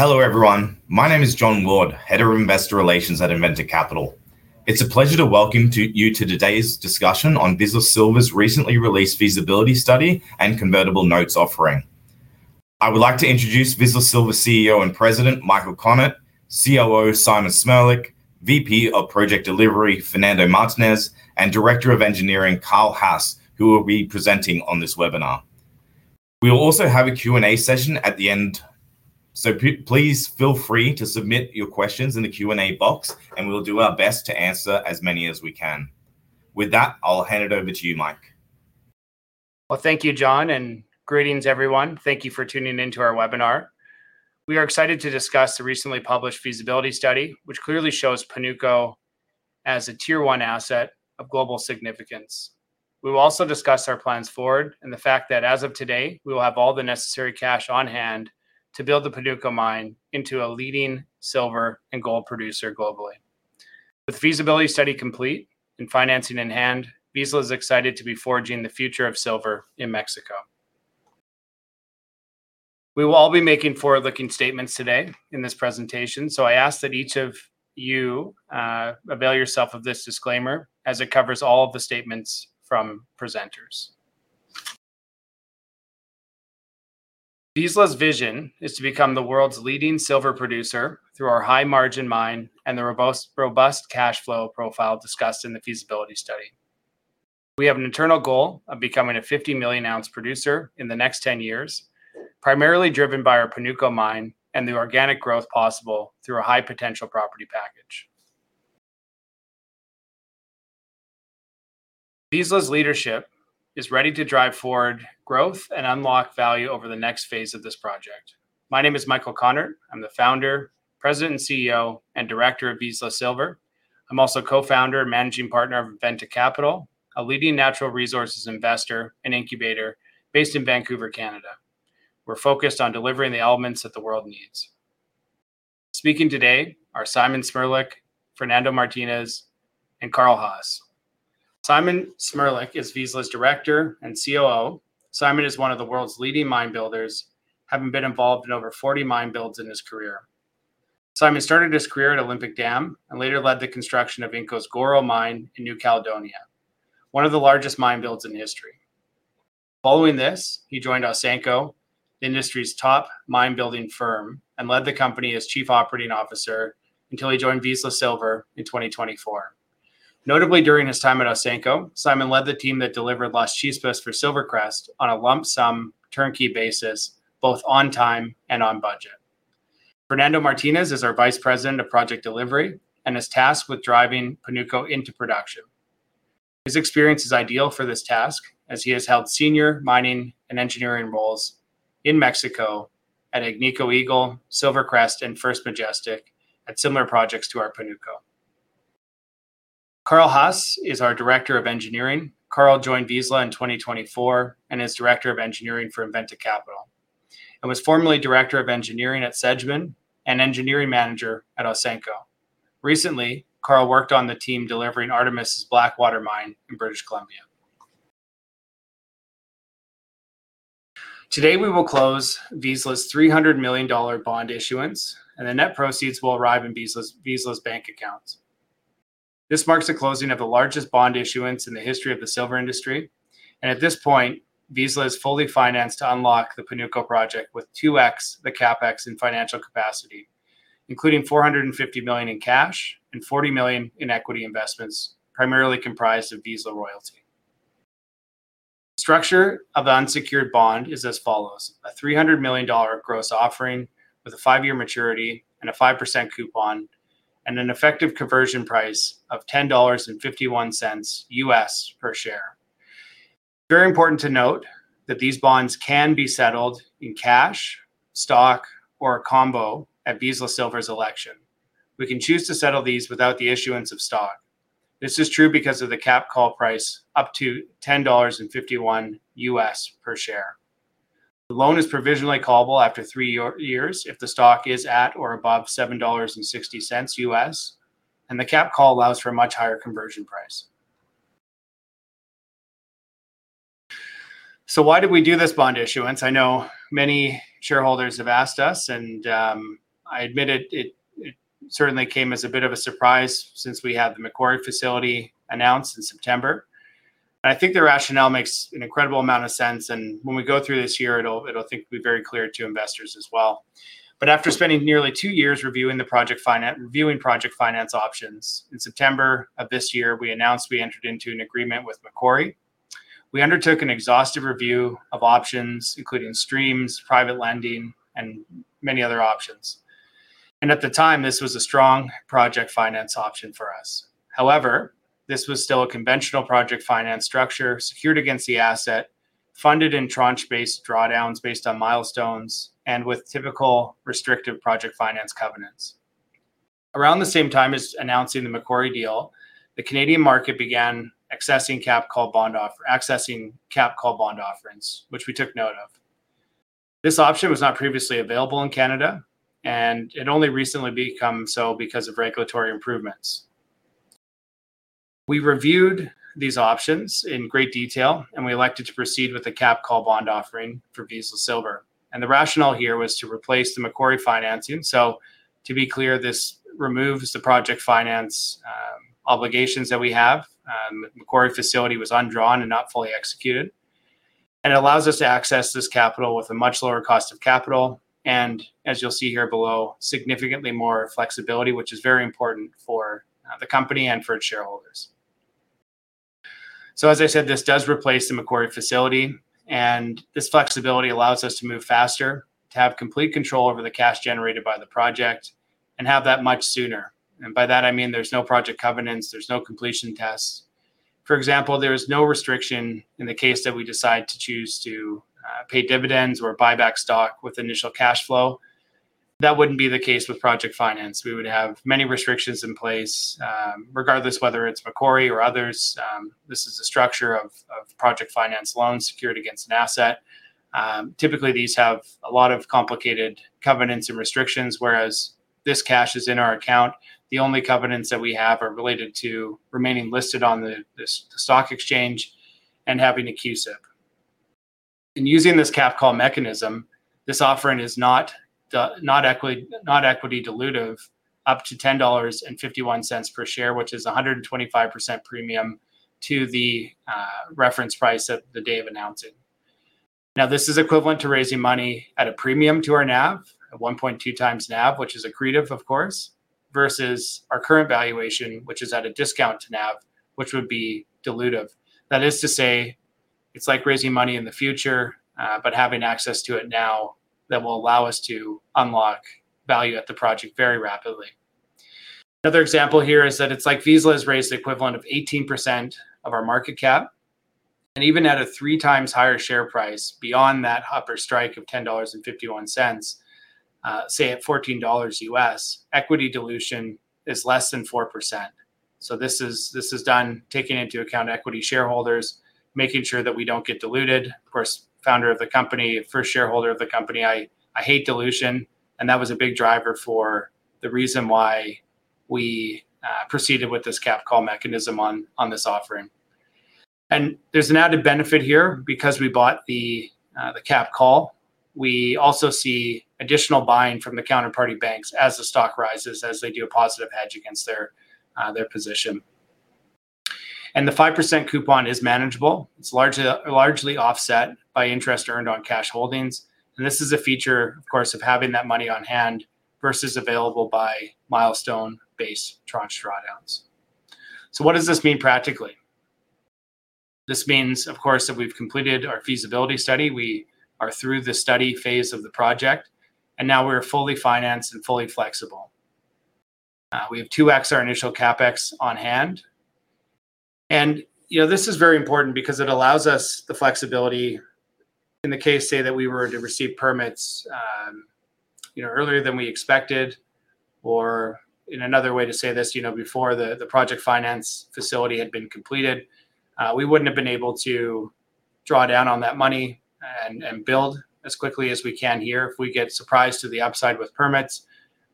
Hello, everyone. My name is Jon Ward, Head of Investor Relations at Inventor Capital. It's a pleasure to welcome you to today's discussion on Vizsla Silver's recently released feasibility study and convertible notes offering. I would like to introduce Vizsla Silver CEO and President Michael Konnert, COO Simon Cmrlec, VP of Project Delivery Fernando Martinez, and Director of Engineering Karl Haase, who will be presenting on this webinar. We will also have a Q&A session at the end, so please feel free to submit your questions in the Q&A box, and we'll do our best to answer as many as we can. With that, I'll hand it over to you, Mike. Thank you, Jon, and greetings, everyone. Thank you for tuning into our webinar. We are excited to discuss the recently published Feasibility Study, which clearly shows Panuco as a tier-one asset of global significance. We will also discuss our plans forward and the fact that, as of today, we will have all the necessary cash on hand to build the Panuco mine into a leading silver and gold producer globally. With the Feasibility Study complete and financing in hand, Vizsla is excited to be forging the future of silver in Mexico. We will all be making forward-looking statements today in this presentation, so I ask that each of you avail yourself of this disclaimer, as it covers all of the statements from presenters. Vizsla's vision is to become the world's leading silver producer through our high-margin mine and the robust cash flow profile discussed in the Feasibility Study. We have an internal goal of becoming a 50 million oz producer in the next 10 years, primarily driven by our Panuco mine and the organic growth possible through a high-potential property package. Vizsla's leadership is ready to drive forward growth and unlock value over the next phase of this project. My name is Michael Konnert. I'm the founder, President, CEO, and Director of Vizsla Silver. I'm also co-founder and managing partner of Inventor Capital, a leading natural resources investor and incubator based in Vancouver, Canada. We're focused on delivering the elements that the world needs. Speaking today are Simon Cmrlec, Fernando Martinez, and Karl Haase. Simon Cmrlec is Vizsla's Director and COO. Simon is one of the world's leading mine builders, having been involved in over 40 mine builds in his career. Simon started his career at Olympic Dam and later led the construction of Inco's Goro Mine in New Caledonia, one of the largest mine builds in history. Following this, he joined Ausenco, the industry's top mine-building firm, and led the company as Chief Operating Officer until he joined Vizsla Silver in 2024. Notably, during his time at Ausenco, Simon led the team that delivered Las Chispas for SilverCrest on a lump-sum turnkey basis, both on time and on budget. Fernando Martinez is our Vice President of Project Delivery and is tasked with driving Panuco into production. His experience is ideal for this task, as he has held senior mining and engineering roles in Mexico at MAG Silver, SilverCrest, and First Majestic at similar projects to our Panuco. Karl Haase is our Director of Engineering. Karl joined Vizsla in 2024 and is Director of Engineering for Inventor Capital and was formerly Director of Engineering at Sedgman and Engineering Manager at Ausenco. Recently, Karl worked on the team delivering Artemis's Blackwater mine in British Columbia. Today, we will close Vizsla's 300 million dollar bond issuance, and the net proceeds will arrive in Vizsla's bank accounts. This marks the closing of the largest bond issuance in the history of the silver industry. At this point, Vizsla is fully financed to unlock the Panuco project with 2x the Capex in financial capacity, including 450 million in cash and 40 million in equity investments, primarily comprised of Vizsla Royalties. The structure of the unsecured bond is as follows: a 300 million dollar gross offering with a five-year maturity and a 5% coupon and an effective conversion price of $10.51 per share. It's very important to note that these bonds can be settled in cash, stock, or a combo at Vizsla Silver's election. We can choose to settle these without the issuance of stock. This is true because of the cap call price up to $10.51 per share. The loan is provisionally callable after three years if the stock is at or above $7.60, and the cap call allows for a much higher conversion price. Why did we do this bond issuance? I know many shareholders have asked us, and I admit it certainly came as a bit of a surprise since we had the Macquarie facility announced in September. I think the rationale makes an incredible amount of sense. When we go through this year, I think it will be very clear to investors as well. After spending nearly two years reviewing project finance options, in September of this year, we announced we entered into an agreement with Macquarie. We undertook an exhaustive review of options, including streams, private lending, and many other options. At the time, this was a strong project finance option for us. However, this was still a conventional project finance structure secured against the asset, funded in tranche-based drawdowns based on milestones and with typical restrictive project finance covenants. Around the same time as announcing the Macquarie deal, the Canadian market began accessing cap call bond offerings, which we took note of. This option was not previously available in Canada, and it only recently became so because of regulatory improvements. We reviewed these options in great detail, and we elected to proceed with the cap call bond offering for Vizsla Silver. The rationale here was to replace the Macquarie financing. To be clear, this removes the project finance obligations that we have. The Macquarie facility was undrawn and not fully executed. It allows us to access this capital with a much lower cost of capital. As you'll see here below, significantly more flexibility, which is very important for the company and for its shareholders. As I said, this does replace the Macquarie facility. This flexibility allows us to move faster, to have complete control over the cash generated by the project, and have that much sooner. By that, I mean there's no project covenants, there's no completion tests. For example, there is no restriction in the case that we decide to choose to pay dividends or buy back stock with initial cash flow. That would not be the case with project finance. We would have many restrictions in place, regardless whether it's Macquarie or others. This is the structure of project finance loans secured against an asset. Typically, these have a lot of complicated covenants and restrictions, whereas this cash is in our account. The only covenants that we have are related to remaining listed on the stock exchange and having a QSIP. Using this cap call mechanism, this offering is not equity dilutive, up to 10.51 dollars per share, which is a 125% premium to the reference price of the day of announcing. This is equivalent to raising money at a premium to our NAV, a 1.2x NAV, which is accretive, of course, versus our current valuation, which is at a discount to NAV, which would be dilutive. That is to say, it's like raising money in the future, but having access to it now that will allow us to unlock value at the project very rapidly. Another example here is that it's like Vizsla has raised the equivalent of 18% of our market cap. Even at a three times higher share price beyond that upper strike of 10.51 dollars, say at $14, equity dilution is less than 4%. This is done taking into account equity shareholders, making sure that we don't get diluted. Of course, founder of the company, first shareholder of the company, I hate dilution. That was a big driver for the reason why we proceeded with this cap call mechanism on this offering. There is an added benefit here because we bought the cap call. We also see additional buying from the counterparty banks as the stock rises, as they do a positive hedge against their position. The 5% coupon is manageable. It is largely offset by interest earned on cash holdings. This is a feature, of course, of having that money on hand versus available by milestone-based tranche drawdowns. What does this mean practically? This means, of course, that we have completed our Feasibility Study. We are through the study phase of the project, and now we are fully financed and fully flexible. We have 2x our initial Capex on hand. This is very important because it allows us the flexibility in the case, say, that we were to receive permits earlier than we expected, or in another way to say this, before the project finance facility had been completed, we would not have been able to draw down on that money and build as quickly as we can here. If we get surprised to the upside with permits,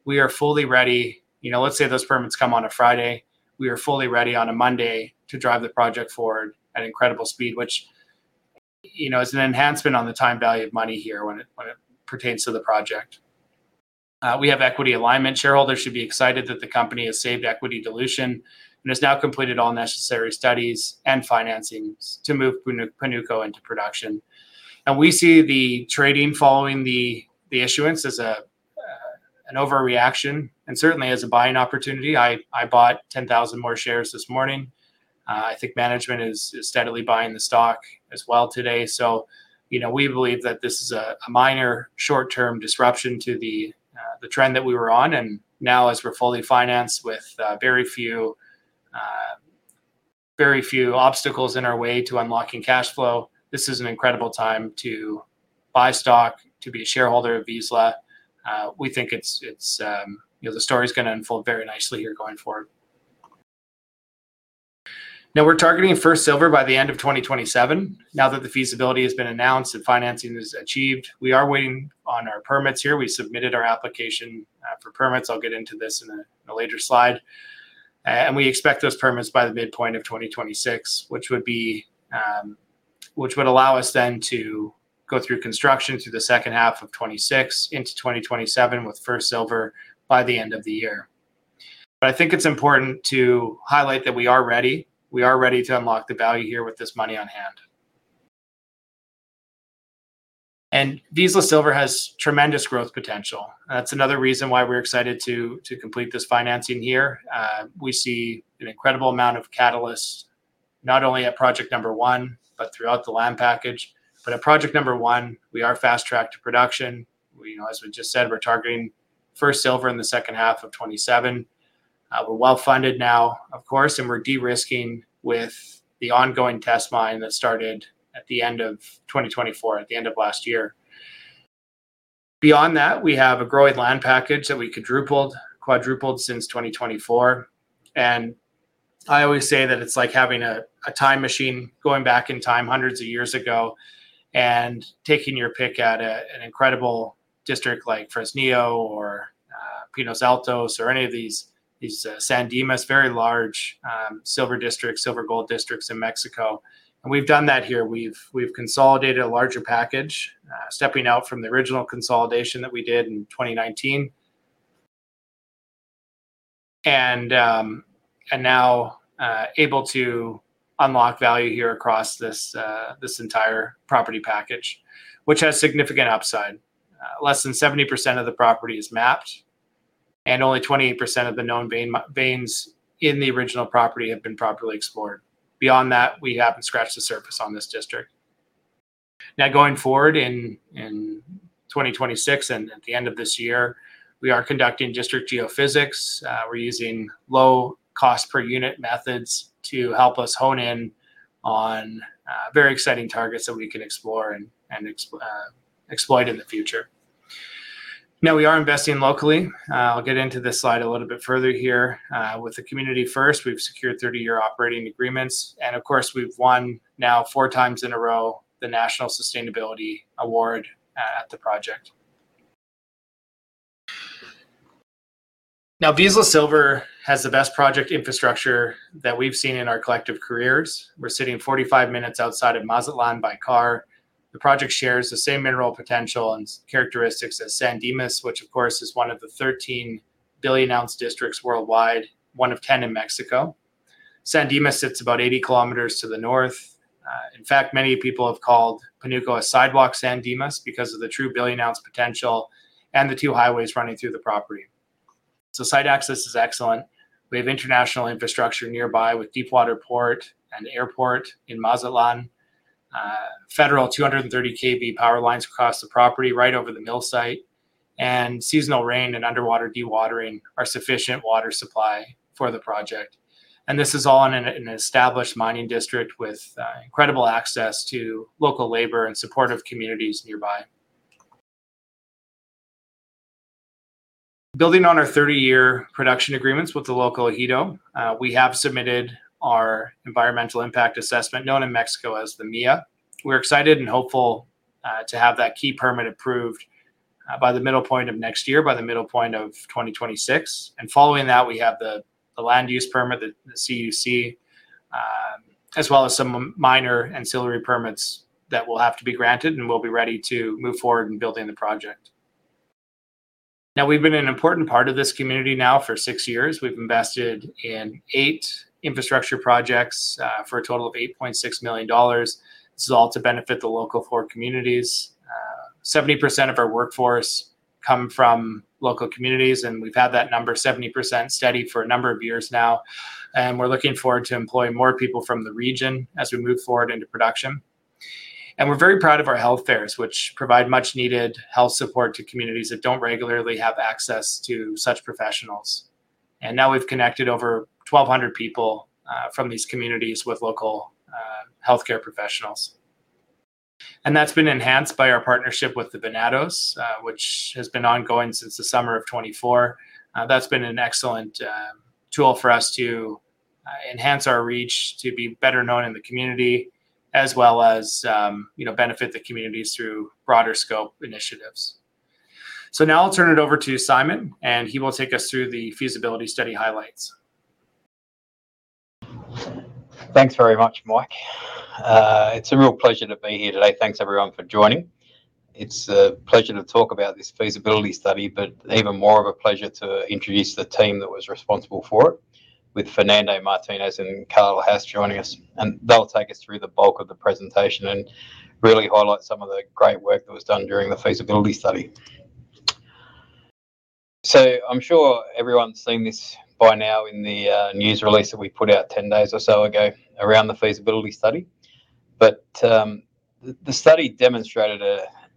we are fully ready. Let's say those permits come on a Friday. We are fully ready on a Monday to drive the project forward at incredible speed, which is an enhancement on the time value of money here when it pertains to the project. We have equity alignment. Shareholders should be excited that the company has saved equity dilution and has now completed all necessary studies and financing to move Panuco into production. We see the trading following the issuance as an overreaction and certainly as a buying opportunity. I bought 10,000 more shares this morning. I think management is steadily buying the stock as well today. We believe that this is a minor short-term disruption to the trend that we were on. Now, as we're fully financed with very few obstacles in our way to unlocking cash flow, this is an incredible time to buy stock, to be a shareholder of Vizsla Silver. We think the story is going to unfold very nicely here going forward. We are targeting First Silver by the end of 2027. Now that the feasibility has been announced and financing is achieved, we are waiting on our permits here. We submitted our application for permits. I'll get into this in a later slide. We expect those permits by the midpoint of 2026, which would allow us then to go through construction through the second half of 2026 into 2027 with First Silver by the end of the year. I think it's important to highlight that we are ready. We are ready to unlock the value here with this money on hand. Vizsla Silver has tremendous growth potential. That's another reason why we're excited to complete this financing here. We see an incredible amount of catalysts, not only at project number one, but throughout the LAM package. At project number one, we are fast-tracked to production. As we just said, we're targeting First Silver in the second half of 2027. We're well-funded now, of course, and we're de-risking with the ongoing test mine that started at the end of 2024, at the end of last year. Beyond that, we have a growing land package that we quadrupled since 2024. I always say that it's like having a time machine going back in time hundreds of years ago and taking your pick at an incredible district like Fresnillo or Peñoles or any of these San Dimas, very large silver districts, silver gold districts in Mexico. We have done that here. We have consolidated a larger package, stepping out from the original consolidation that we did in 2019, and now able to unlock value here across this entire property package, which has significant upside. Less than 70% of the property is mapped, and only 28% of the known veins in the original property have been properly explored. Beyond that, we have not scratched the surface on this district. Now, going forward in 2026 and at the end of this year, we are conducting district geophysics. We're using low cost per unit methods to help us hone in on very exciting targets that we can explore and exploit in the future. Now, we are investing locally. I'll get into this slide a little bit further here. With the community first, we've secured 30-year operating agreements. Of course, we've won now four times in a row the National Sustainability Award at the project. Now, Vizsla Silver has the best project infrastructure that we've seen in our collective careers. We're sitting 45 minutes outside of Mazatlán by car. The project shares the same mineral potential and characteristics as San Dimas, which, of course, is one of the 13 billion oz districts worldwide, one of 10 in Mexico. San Dimas sits about 80 km to the north. In fact, many people have called Panuco a sidewalk San Dimas because of the true billion ounce potential and the two highways running through the property. Site access is excellent. We have international infrastructure nearby with Deepwater Port and Airport in Mazatlán. Federal 230 kV power lines cross the property right over the mill site. Seasonal rain and underground dewatering are sufficient water supply for the project. This is all in an established mining district with incredible access to local labor and supportive communities nearby. Building on our 30-year production agreements with the local ejido, we have submitted our environmental impact assessment, known in Mexico as the MIA. We are excited and hopeful to have that key permit approved by the middle point of next year, by the middle point of 2026. Following that, we have the land use permit, the CUC, as well as some minor ancillary permits that will have to be granted, and we will be ready to move forward in building the project. Now, we've been an important part of this community now for six years. We've invested in eight infrastructure projects for a total of 8.6 million dollars. This is all to benefit the local four communities. 70% of our workforce come from local communities, and we've had that number 70% steady for a number of years now. We are looking forward to employing more people from the region as we move forward into production. We are very proud of our health fairs, which provide much-needed health support to communities that do not regularly have access to such professionals. Now we've connected over 1,200 people from these communities with local healthcare professionals. That has been enhanced by our partnership with the Venados, which has been ongoing since the summer of 2024. That's been an excellent tool for us to enhance our reach, to be better known in the community, as well as benefit the communities through broader scope initiatives. Now I'll turn it over to Simon, and he will take us through the feasibility study highlights. Thanks very much, Mike. It's a real pleasure to be here today. Thanks, everyone, for joining. It's a pleasure to talk about this feasibility study, but even more of a pleasure to introduce the team that was responsible for it, with Fernando Martinez and Karl Haase joining us. They'll take us through the bulk of the presentation and really highlight some of the great work that was done during the feasibility study. I'm sure everyone's seen this by now in the news release that we put out 10 days or so ago around the feasibility study. The study demonstrated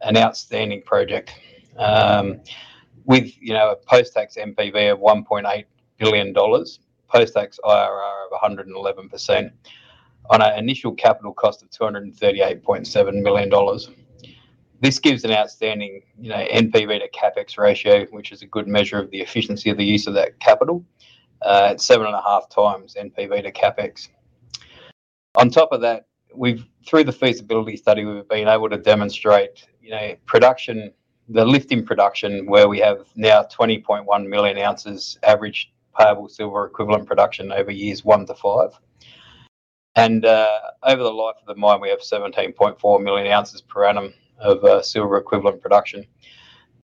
an outstanding project with a post-tax NPV of 1.8 billion dollars, post-tax IRR of 111%, on an initial capital cost of 238.7 million dollars. This gives an outstanding NPV to CapEx ratio, which is a good measure of the efficiency of the use of that capital. It's 7.5x NPV to CapEx. On top of that, through the Feasibility Study, we've been able to demonstrate production, the lifting production, where we have now 20.1 million oz average payable silver equivalent production over years one to five. Over the life of the mine, we have 17.4 million oz per annum of silver equivalent production.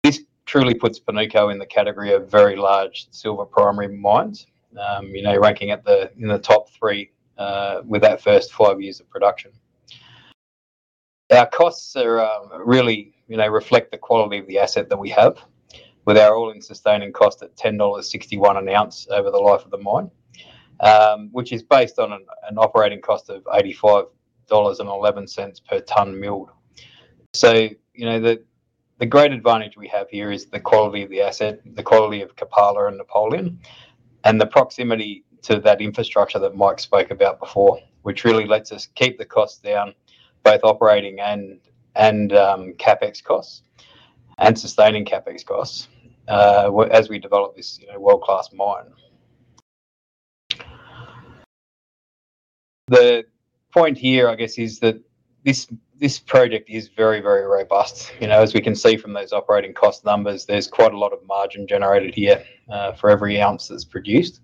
This truly puts Panuco in the category of very large silver primary mines, ranking in the top three with that first five years of production. Our costs really reflect the quality of the asset that we have, with our all-in sustaining cost at 10.61 dollars an ounce over the life of the mine, which is based on an operating cost of 85.11 dollars per ton milled. The great advantage we have here is the quality of Copala and Napoleon, and the proximity to that infrastructure that Mike spoke about before, which really lets us keep the costs down, both operating and CapEx costs and sustaining CapEx costs as we develop this world-class mine. The point here, I guess, is that this project is very, very robust. As we can see from those operating cost numbers, there is quite a lot of margin generated here for every ounce that is produced.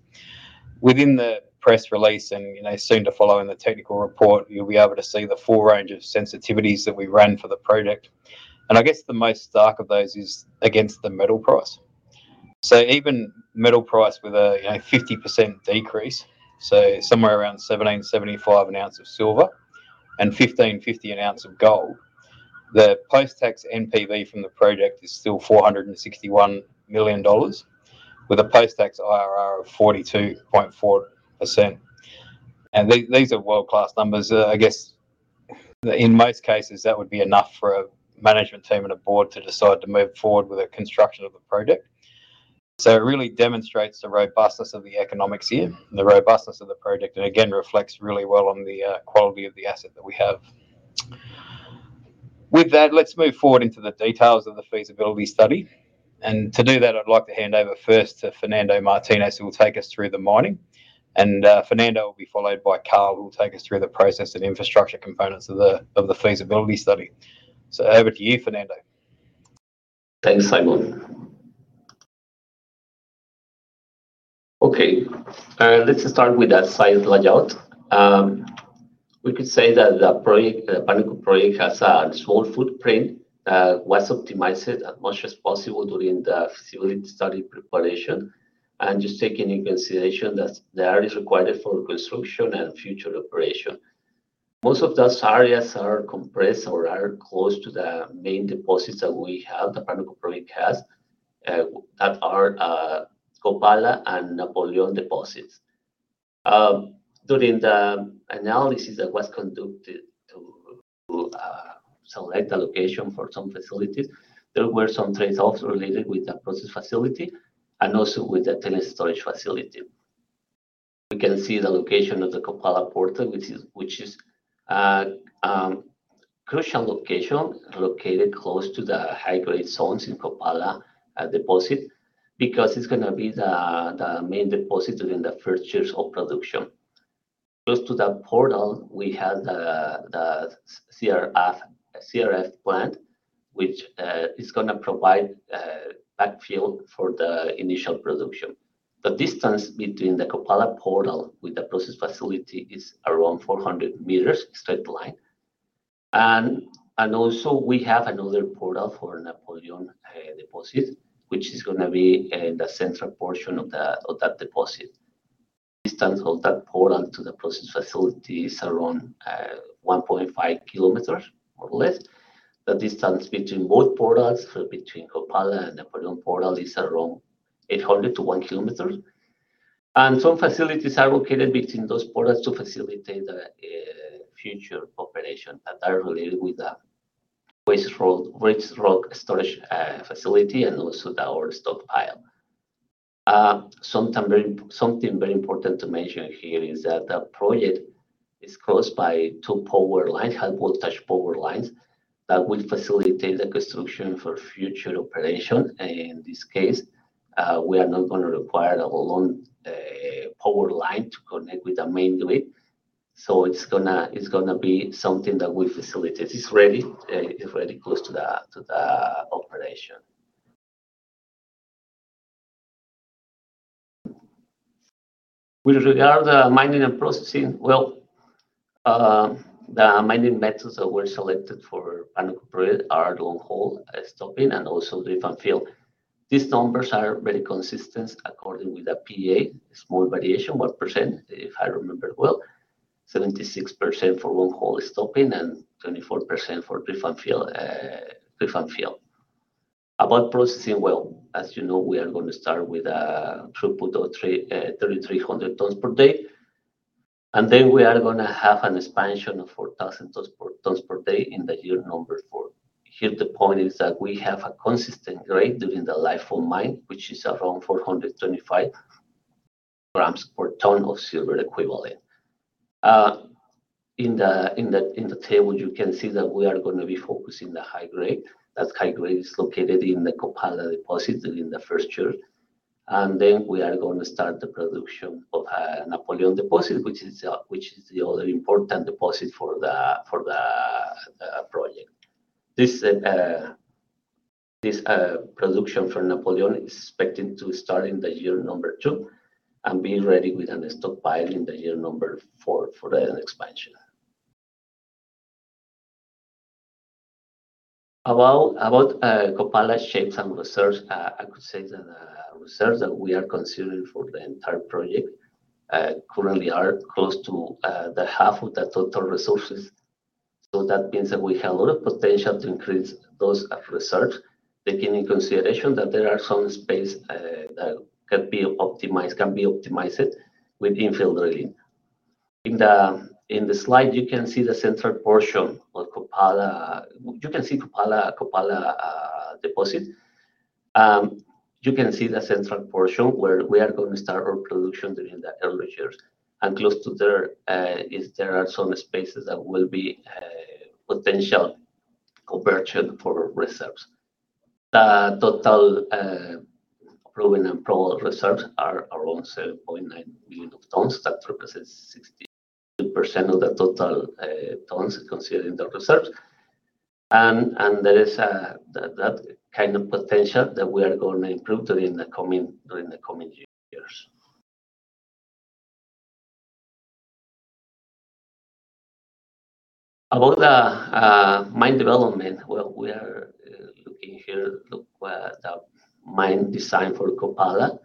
Within the press release and soon to follow in the technical report, you'll be able to see the full range of sensitivities that we ran for the project. I guess the most stark of those is against the middle price. Even middle price with a 50% decrease, so somewhere around 1,775 an ounce of silver and 1,550 an ounce of gold, the post-tax NPV from the project is still 461 million dollars with a post-tax IRR of 42.4%. These are world-class numbers. I guess, in most cases, that would be enough for a management team and a Board to decide to move forward with the construction of the project. It really demonstrates the robustness of the economics here, the robustness of the project, and again, reflects really well on the quality of the asset that we have. With that, let's move forward into the details of the feasibility study. To do that, I'd like to hand over first to Fernando Martinez, who will take us through the mining. Fernando will be followed by Karl, who will take us through the process and infrastructure components of the feasibility study. Over to you, Fernando. Thanks, Simon. Okay. Let's start with that site layout. We could say that the Panuco project has a small footprint, was optimized as much as possible during the feasibility study preparation, and just taking into consideration that the area is required for construction and future operation. Most of those areas are compressed or are close to the main deposits that we have, the Panuco project has, that are Copala and Napoleon deposits. During the analysis that was conducted to select the location for some facilities, there were some trade-offs related with the process facility and also with the tailings storage facility. We can see the location of the Copala portal, which is a crucial location located close to the high-grade zones in Copala deposit because it's going to be the main deposit during the first years of production. Close to that portal, we have the CRF plant, which is going to provide backfill for the initial production. The distance between the Copala portal with the process facility is around 400 m straight line. Also, we have another portal for Napoleon deposit, which is going to be in the central portion of that deposit. The distance of that portal to the process facility is around 1.5 kilometers or less. The distance between both portals, between Copala and Napoleon portal, is around 800 m-1 km. Some facilities are located between those portals to facilitate the future operation that are related with the waste rock storage facility and also the ore stockpile. Something very important to mention here is that the project is crossed by two power lines, high-voltage power lines that will facilitate the construction for future operation. In this case, we are not going to require a long power line to connect with the main grid. It is going to be something that we facilitate. It is ready close to the operation. With regard to mining and processing, the mining methods that were selected for Panuco project are long-hole stoping and also drift and fill. These numbers are very consistent according with the PA, small variation, 1%, if I remember it well, 76% for long-hole stoping and 24% for drift and fill. About processing, as you know, we are going to start with a throughput of 3,300 tons per day. We are going to have an expansion to 4,000 tons per day in the year number four. Here, the point is that we have a consistent grade during the life of mine, which is around 425 g per ton of silver equivalent. In the table, you can see that we are going to be focusing on the high grade. That high grade is located in the Copala deposit during the first year. We are going to start the production of Napoleon deposit, which is the other important deposit for the project. This production for Napoleon is expected to start in the year number two and be ready with a stockpile in the year number four for the expansion. About Copala shapes and reserves, I could say that the reserves that we are considering for the entire project currently are close to half of the total resources. That means that we have a lot of potential to increase those reserves, taking into consideration that there are some space that can be optimized with infill drilling. In the slide, you can see the central portion of Copala. You can see Copala deposit. You can see the central portion where we are going to start our production during the early years. Close to there, there are some spaces that will be potential conversion for reserves. The total proven and probable reserves are around 7.9 million tons. That represents 62% of the total tons considering the reserves. There is that kind of potential that we are going to improve during the coming years. About the mine development, we are looking here at the mine design for Copala.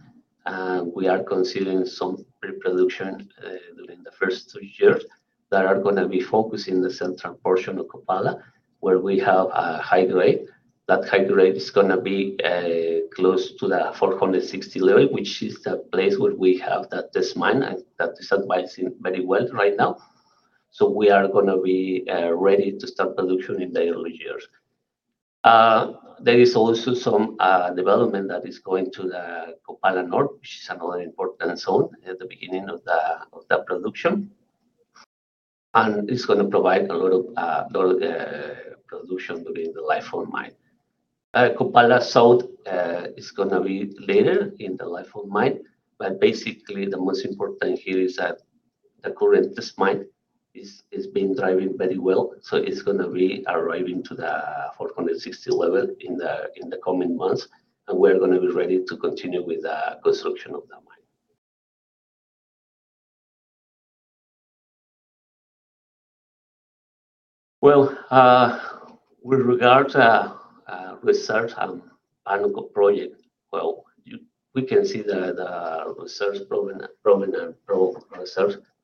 We are considering some pre-production during the first two years that are going to be focused in the central portion of Copala, where we have a high grade. That high grade is going to be close to the 460 level, which is the place where we have that test mine, and that is advancing very well right now. We are going to be ready to start production in the early years. There is also some development that is going to the Copala North, which is another important zone at the beginning of the production. It is going to provide a lot of production during the life of mine. Copala South is going to be later in the life of mine. The most important here is that the current test mine is being driven very well. It is going to be arriving to the 460 level in the coming months. We are going to be ready to continue with the construction of the mine. With regard to reserves, Panuco project, we can see that the reserves are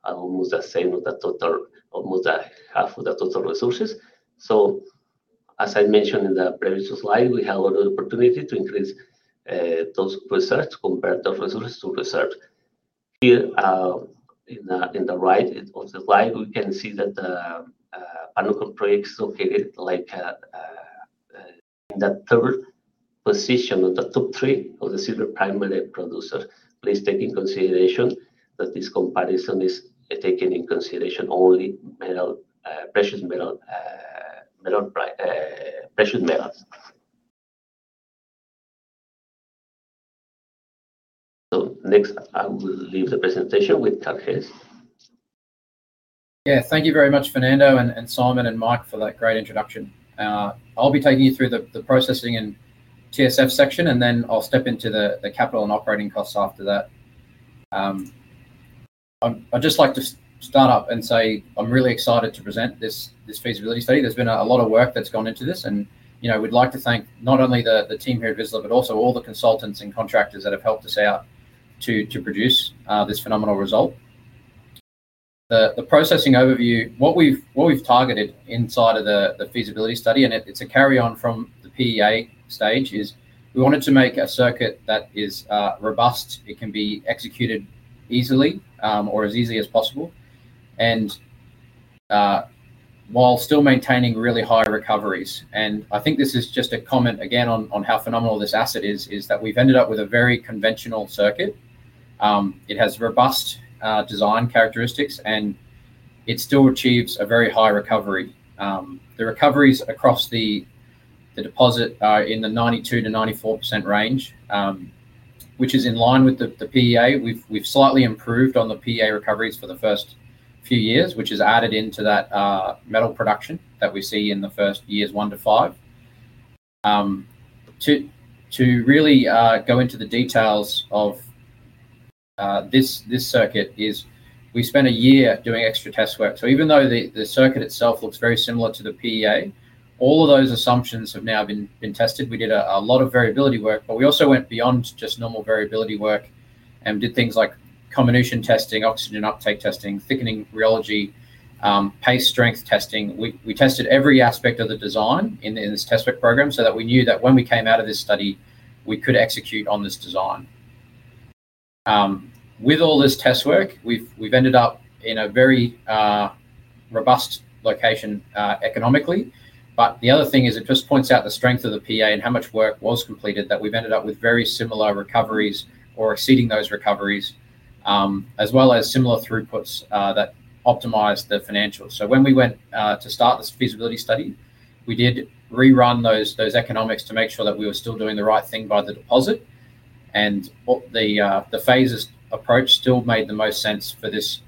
almost the same as the total, almost half of the total resources. As I mentioned in the previous slide, we have a lot of opportunity to increase those reserves to compare the resources to reserves. Here, in the right of the slide, we can see that the Panuco project is located in the third position of the top three of the silver primary producers. Please take into consideration that this comparison is taking into consideration only precious metals. Next, I will leave the presentation with Karl Haase. Yeah, thank you very much, Fernando, and Simon and Mike for that great introduction. I'll be taking you through the processing and TSF section, and then I'll step into the capital and operating costs after that. I'd just like to start up and say I'm really excited to present this Feasibility Study. There's been a lot of work that's gone into this. We'd like to thank not only the team here at Vizsla, but also all the consultants and contractors that have helped us out to produce this phenomenal result. The processing overview, what we've targeted inside of the Feasibility Study, and it's a carry-on from the PEA stage, is we wanted to make a circuit that is robust. It can be executed easily or as easily as possible while still maintaining really high recoveries. I think this is just a comment again on how phenomenal this asset is, is that we've ended up with a very conventional circuit. It has robust design characteristics, and it still achieves a very high recovery. The recoveries across the deposit are in the 92%-94% range, which is in line with the PEA. We've slightly improved on the PEA recoveries for the first few years, which is added into that metal production that we see in the first years, one to five. To really go into the details of this circuit, we spent a year doing extra test work. Even though the circuit itself looks very similar to the PEA, all of those assumptions have now been tested. We did a lot of variability work, but we also went beyond just normal variability work and did things like comminution testing, oxygen uptake testing, thickening rheology, paste strength testing. We tested every aspect of the design in this test work program so that we knew that when we came out of this study, we could execute on this design. With all this test work, we've ended up in a very robust location economically. The other thing is it just points out the strength of the PEA and how much work was completed that we've ended up with very similar recoveries or exceeding those recoveries, as well as similar throughputs that optimize the financials. When we went to start this feasibility study, we did rerun those economics to make sure that we were still doing the right thing by the deposit. The phased approach still made the most sense for this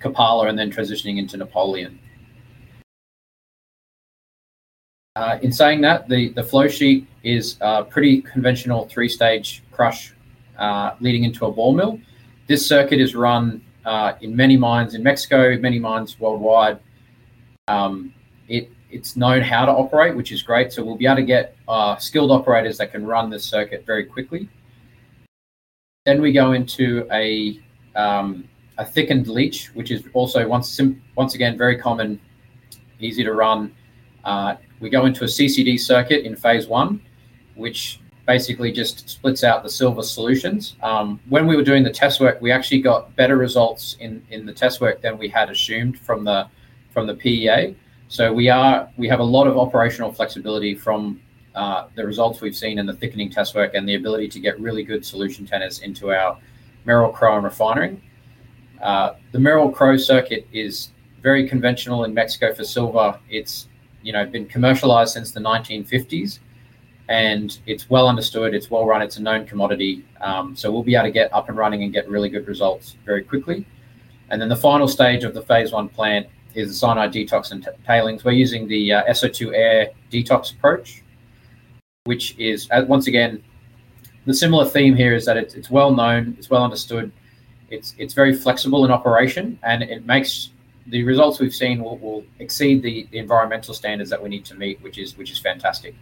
Copala and then transitioning into Napoleon. In saying that, the flow sheet is a pretty conventional three-stage crush leading into a ball mill. This circuit is run in many mines in Mexico, many mines worldwide. It's known how to operate, which is great. We'll be able to get skilled operators that can run this circuit very quickly. We go into a thickened leach, which is also once again very common, easy to run. We go into a CCD circuit in phase I, which basically just splits out the silver solutions. When we were doing the test work, we actually got better results in the test work than we had assumed from the PEA. We have a lot of operational flexibility from the results we've seen in the thickening test work and the ability to get really good solution tanners into our Merrill-Crowe refinery. The Merrill-Crowe circuit is very conventional in Mexico for silver. It's been commercialized since the 1950s. It's well understood. It's well run. It's a known commodity. We will be able to get up and running and get really good results very quickly. The final stage of the phase I plant is cyanide detox and tailings. We're using the SO2 air detox approach, which is, once again, the similar theme here is that it's well known, it's well understood. It's very flexible in operation, and the results we've seen will exceed the environmental standards that we need to meet, which is fantastic.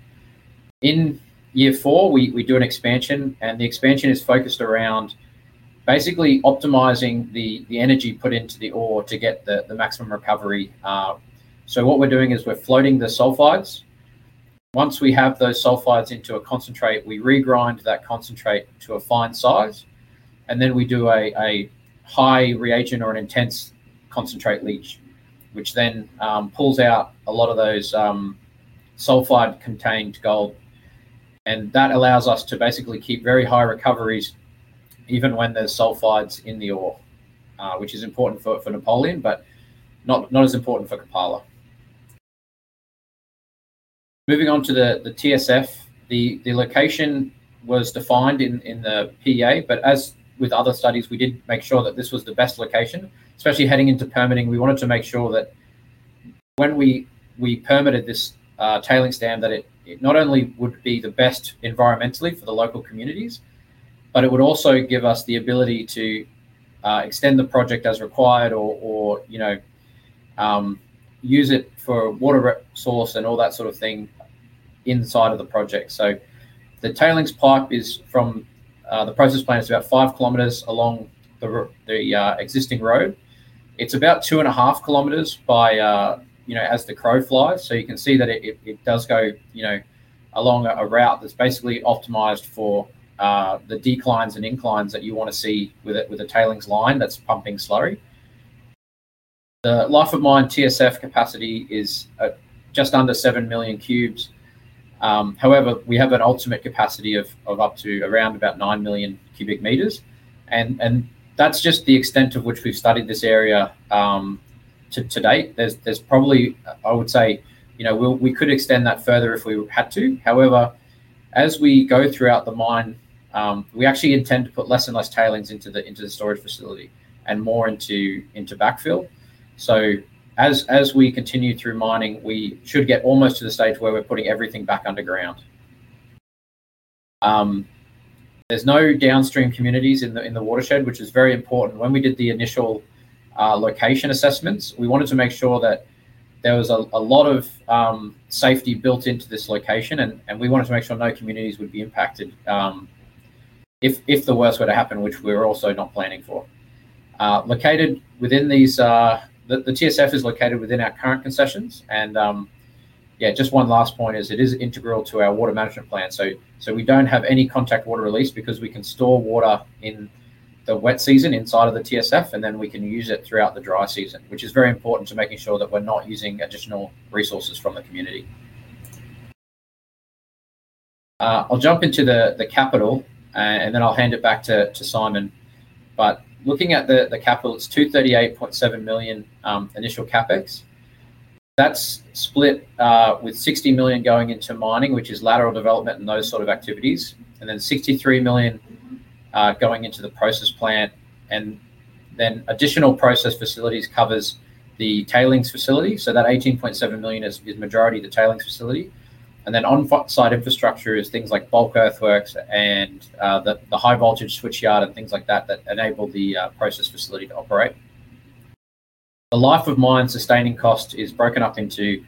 In year four, we do an expansion, and the expansion is focused around basically optimizing the energy put into the ore to get the maximum recovery. What we're doing is we're floating the sulfides. Once we have those sulfides into a concentrate, we regrind that concentrate to a fine size. We do a high reagent or an intense concentrate leach, which then pulls out a lot of those sulfide-contained gold. That allows us to basically keep very high recoveries even when there's sulfides in the ore, which is important for Napoleon, but not as important for Copala. Moving on to the TSF, the location was defined in the PEA, but as with other studies, we did make sure that this was the best location, especially heading into permitting. We wanted to make sure that when we permitted this tailings stand, that it not only would be the best environmentally for the local communities, but it would also give us the ability to extend the project as required or use it for water source and all that sort of thing inside of the project. The tailings pipe is from the process plant, it's about 5 km along the existing road. It's about 2.5 km by as the crow flies. You can see that it does go along a route that's basically optimized for the declines and inclines that you want to see with a tailings line that's pumping slowly. The life of mine TSF capacity is just under 7 million cu m. However, we have an ultimate capacity of up to around about 9 million cu m. That's just the extent of which we've studied this area to date. There's probably, I would say, we could extend that further if we had to. However, as we go throughout the mine, we actually intend to put less and less tailings into the storage facility and more into backfill. As we continue through mining, we should get almost to the stage where we're putting everything back underground. There's no downstream communities in the watershed, which is very important. When we did the initial location assessments, we wanted to make sure that there was a lot of safety built into this location, and we wanted to make sure no communities would be impacted if the worst were to happen, which we were also not planning for. Located within these, the TSF is located within our current concessions. Yeah, just one last point is it is integral to our water management plan. We do not have any contact water release because we can store water in the wet season inside of the TSF, and then we can use it throughout the dry season, which is very important to making sure that we are not using additional resources from the community. I'll jump into the capital, and then I'll hand it back to Simon. Looking at the capital, it's 238.7 million initial capex. That's split with 60 million going into mining, which is lateral development and those sort of activities, and then 63 million going into the process plant. Additional process facilities covers the tailings facility. That 18.7 million is majority of the tailings facility. On-site infrastructure is things like bulk earthworks and the high-voltage switch yard and things like that that enable the process facility to operate. The life of mine sustaining cost is broken up into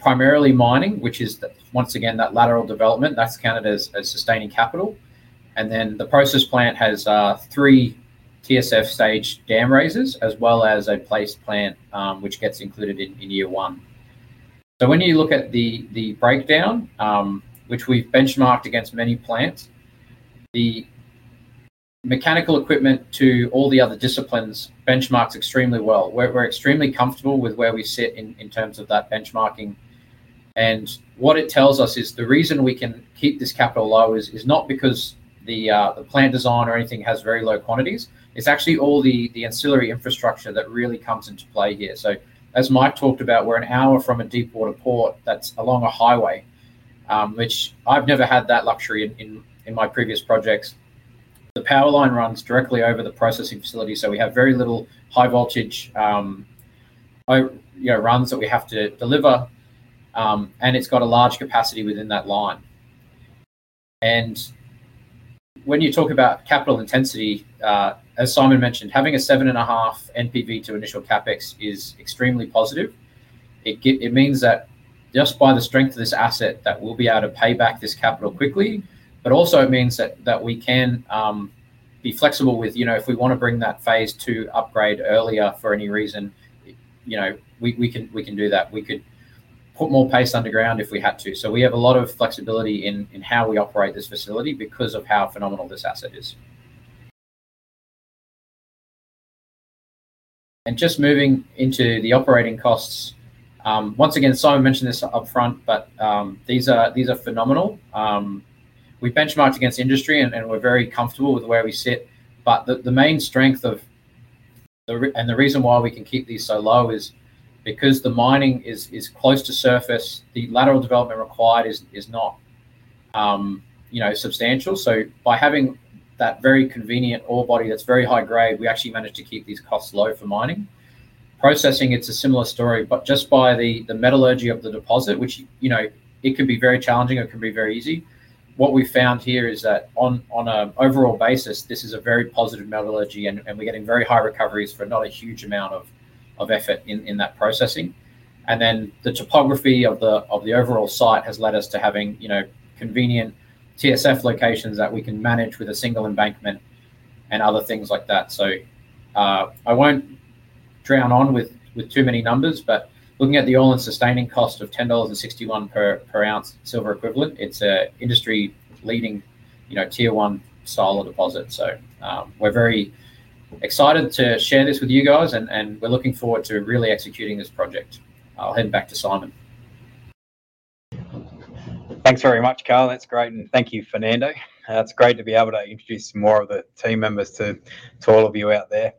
primarily mining, which is once again that lateral development. That's counted as sustaining capital. The process plant has three TSF stage dam raisers as well as a paste plant which gets included in year one. When you look at the breakdown, which we've benchmarked against many plants, the mechanical equipment to all the other disciplines benchmarks extremely well. We're extremely comfortable with where we sit in terms of that benchmarking. What it tells us is the reason we can keep this capital low is not because the plant design or anything has very low quantities. It's actually all the ancillary infrastructure that really comes into play here. As Mike talked about, we're an hour from a deep water port that's along a highway, which I've never had that luxury in my previous projects. The power line runs directly over the processing facility. We have very little high-voltage runs that we have to deliver. It's got a large capacity within that line. When you talk about capital intensity, as Simon mentioned, having a seven and a half NPV to initial capex is extremely positive. It means that just by the strength of this asset, we'll be able to pay back this capital quickly. It also means that we can be flexible with if we want to bring that phase II upgrade earlier for any reason, we can do that. We could put more paste underground if we had to. We have a lot of flexibility in how we operate this facility because of how phenomenal this asset is. Just moving into the operating costs, once again, Simon mentioned this upfront, but these are phenomenal. We benchmarked against industry, and we're very comfortable with where we sit. The main strength and the reason why we can keep these so low is because the mining is close to surface, the lateral development required is not substantial. By having that very convenient ore body that's very high grade, we actually managed to keep these costs low for mining. Processing, it's a similar story, but just by the metallurgy of the deposit, which it could be very challenging or it can be very easy. What we found here is that on an overall basis, this is a very positive metallurgy, and we're getting very high recoveries for not a huge amount of effort in that processing. The topography of the overall site has led us to having convenient TSF locations that we can manage with a single embankment and other things like that. I won't drown on with too many numbers, but looking at the all-in sustaining cost of 10.61 dollars per ounce silver equivalent, it's an industry-leading tier one style of deposit. We're very excited to share this with you guys, and we're looking forward to really executing this project. I'll hand back to Simon. Thanks very much, Karl. That's great. Thank you, Fernando. It's great to be able to introduce more of the team members to all of you out there.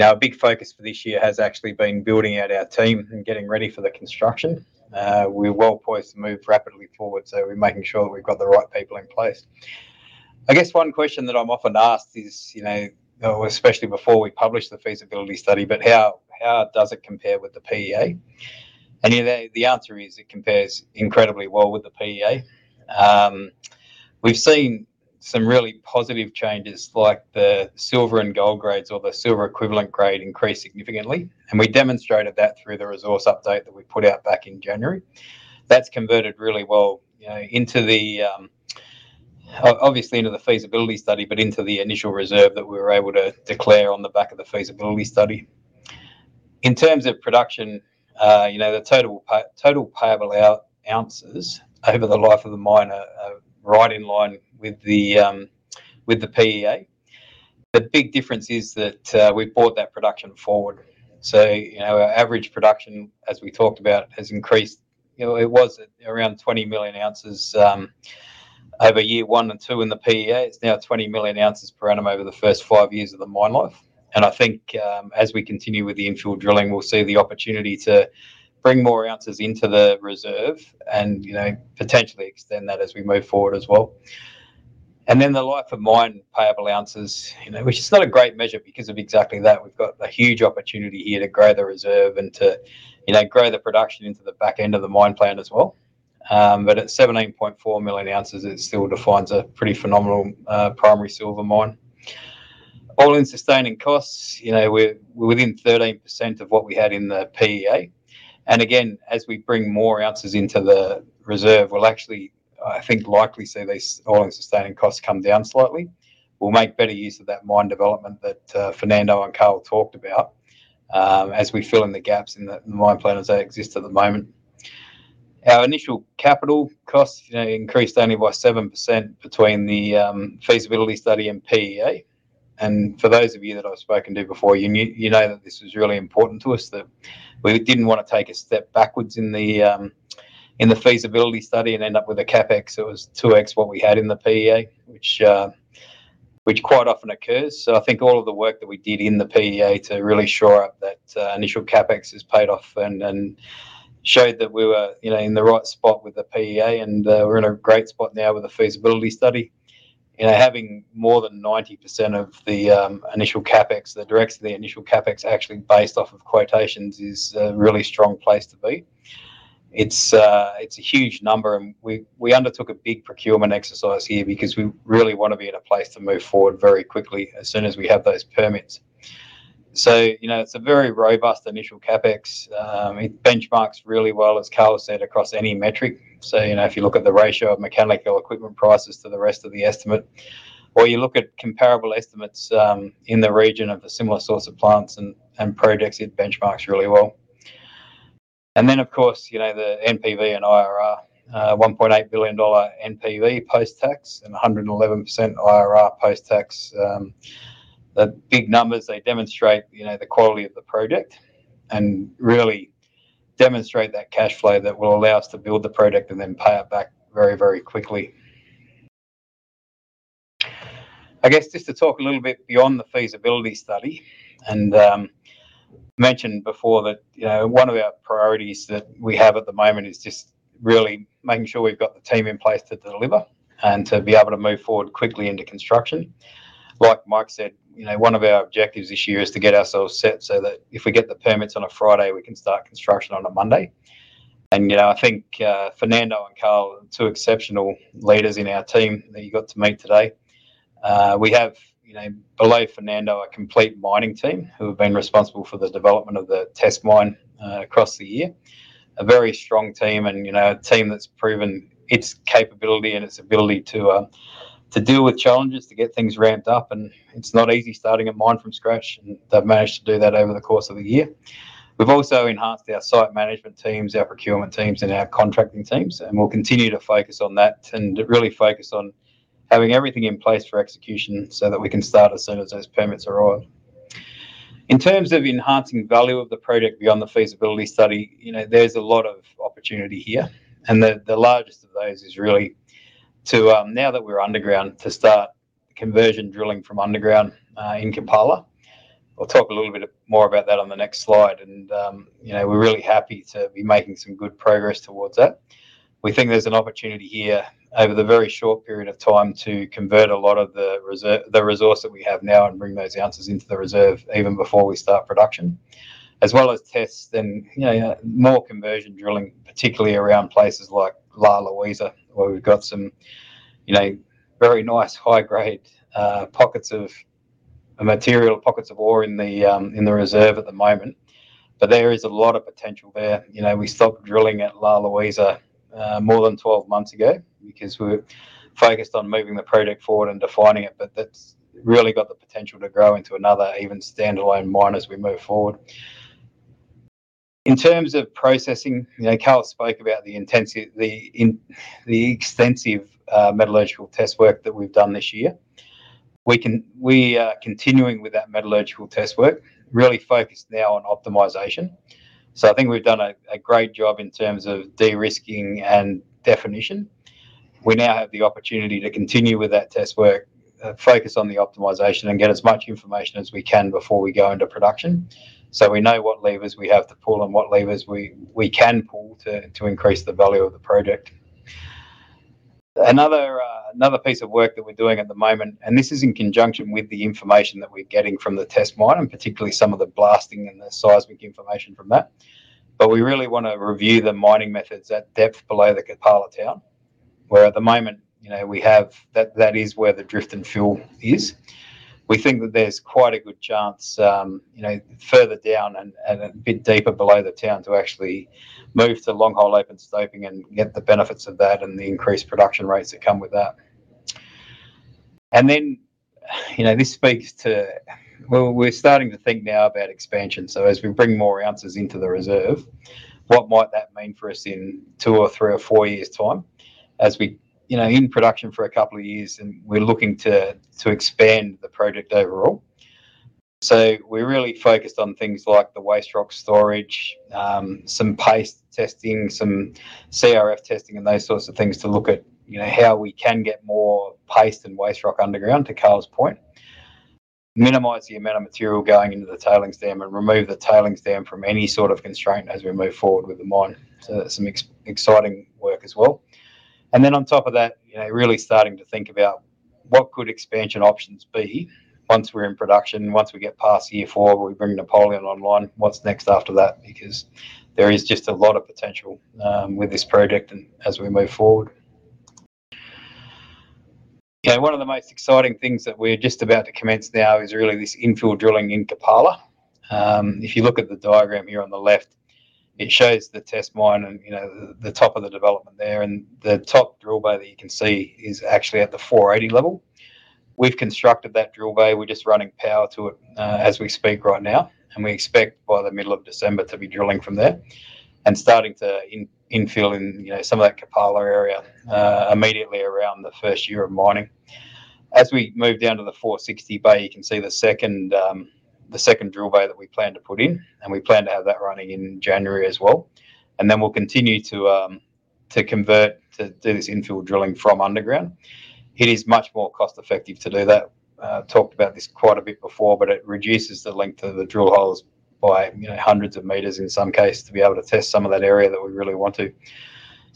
Our big focus for this year has actually been building out our team and getting ready for the construction. We're well poised to move rapidly forward, so we're making sure that we've got the right people in place. I guess one question that I'm often asked is, especially before we publish the feasibility study, how does it compare with the PEA? The answer is it compares incredibly well with the PEA. We've seen some really positive changes like the silver and gold grades or the silver equivalent grade increase significantly. We demonstrated that through the resource update that we put out back in January. That's converted really well into the, obviously into the feasibility study, but into the initial reserve that we were able to declare on the back of the feasibility study. In terms of production, the total payable ounces over the life of the mine are right in line with the PEA. The big difference is that we've brought that production forward. Our average production, as we talked about, has increased. It was around 20 million oz over year one and two in the PEA. It's now 20 million oz per annum over the first five years of the mine life. I think as we continue with the infill drilling, we'll see the opportunity to bring more ounces into the reserve and potentially extend that as we move forward as well. The life of mine payable ounces, which is not a great measure because of exactly that. We've got a huge opportunity here to grow the reserve and to grow the production into the back end of the mine plan as well. At 17.4 million oz, it still defines a pretty phenomenal primary silver mine. All-in sustaining costs, we're within 13% of what we had in the PEA. Again, as we bring more ounces into the reserve, we'll actually, I think, likely see these all-in sustaining costs come down slightly. We'll make better use of that mine development that Fernando and Karl talked about as we fill in the gaps in the mine plans that exist at the moment. Our initial capital costs increased only by 7% between the Feasibility Study and PEA. For those of you that I've spoken to before, you know that this was really important to us, that we didn't want to take a step backwards in the feasibility study and end up with a CapEx that was 2x what we had in the PEA, which quite often occurs. I think all of the work that we did in the PEA to really shore up that initial CapEx has paid off and showed that we were in the right spot with the PEA and we're in a great spot now with the feasibility study. Having more than 90% of the initial CapEx, the direct to the initial CapEx actually based off of quotations is a really strong place to be. It's a huge number, and we undertook a big procurement exercise here because we really want to be in a place to move forward very quickly as soon as we have those permits. It is a very robust initial CapEx. It benchmarks really well, as Karl said, across any metric. If you look at the ratio of mechanical equipment prices to the rest of the estimate, or you look at comparable estimates in the region of a similar source of plants and projects, it benchmarks really well. Of course, the NPV and IRR, $1.8 billion NPV post-tax and 111% IRR post-tax. The big numbers, they demonstrate the quality of the project and really demonstrate that cash flow that will allow us to build the project and then pay it back very, very quickly. I guess just to talk a little bit beyond the Feasibility Study and mentioned before that one of our priorities that we have at the moment is just really making sure we've got the team in place to deliver and to be able to move forward quickly into construction. Like Mike said, one of our objectives this year is to get ourselves set so that if we get the permits on a Friday, we can start construction on a Monday. I think Fernando and Karl are two exceptional leaders in our team that you got to meet today. We have, below Fernando, a complete mining team who have been responsible for the development of the test mine across the year. A very strong team and a team that's proven its capability and its ability to deal with challenges, to get things ramped up. It is not easy starting a mine from scratch, and they have managed to do that over the course of the year. We have also enhanced our site management teams, our procurement teams, and our contracting teams, and we will continue to focus on that and really focus on having everything in place for execution so that we can start as soon as those permits arrive. In terms of enhancing value of the project beyond the feasibility study, there is a lot of opportunity here. The largest of those is really to, now that we are underground, start conversion drilling from underground in Copala. We will talk a little bit more about that on the next slide. We are really happy to be making some good progress towards that. We think there's an opportunity here over the very short period of time to convert a lot of the resource that we have now and bring those ounces into the reserve even before we start production, as well as tests and more conversion drilling, particularly around places like La Luisa, where we've got some very nice high-grade pockets of material, pockets of ore in the reserve at the moment. There is a lot of potential there. We stopped drilling at La Luisa more than 12 months ago because we're focused on moving the project forward and defining it, but that's really got the potential to grow into another even standalone mine as we move forward. In terms of processing, Karl spoke about the extensive metallurgical test work that we've done this year. We are continuing with that metallurgical test work, really focused now on optimization. I think we've done a great job in terms of de-risking and definition. We now have the opportunity to continue with that test work, focus on the optimization, and get as much information as we can before we go into production. We know what levers we have to pull and what levers we can pull to increase the value of the project. Another piece of work that we're doing at the moment, and this is in conjunction with the information that we're getting from the test mine and particularly some of the blasting and the seismic information from that. We really want to review the mining methods at depth below the Copala town, where at the moment we have that is where the drift and fill is. We think that there's quite a good chance further down and a bit deeper below the town to actually move to long-hole open stoping and get the benefits of that and the increased production rates that come with that. This speaks to we're starting to think now about expansion. As we bring more ounces into the reserve, what might that mean for us in two or three or four years' time? As we're in production for a couple of years and we're looking to expand the project overall. We're really focused on things like the waste rock storage, some paste testing, some CRF testing, and those sorts of things to look at how we can get more paste and waste rock underground to Karl's point, minimize the amount of material going into the tailings stand and remove the tailings stand from any sort of constraint as we move forward with the mine. That's some exciting work as well. On top of that, really starting to think about what could expansion options be once we're in production, once we get past year four, we bring Napoleon online, what's next after that? Because there is just a lot of potential with this project as we move forward. One of the most exciting things that we're just about to commence now is really this infill drilling in Copala. If you look at the diagram here on the left, it shows the test mine and the top of the development there. The top drill bay that you can see is actually at the 480 level. We've constructed that drill bay. We're just running power to it as we speak right now. We expect by the middle of December to be drilling from there and starting to infill in some of that Copala area immediately around the first year of mining. As we move down to the 460 bay, you can see the second drill bay that we plan to put in. We plan to have that running in January as well. We will continue to convert to do this infill drilling from underground. It is much more cost-effective to do that. I've talked about this quite a bit before, but it reduces the length of the drill holes by hundreds of meters in some case to be able to test some of that area that we really want to.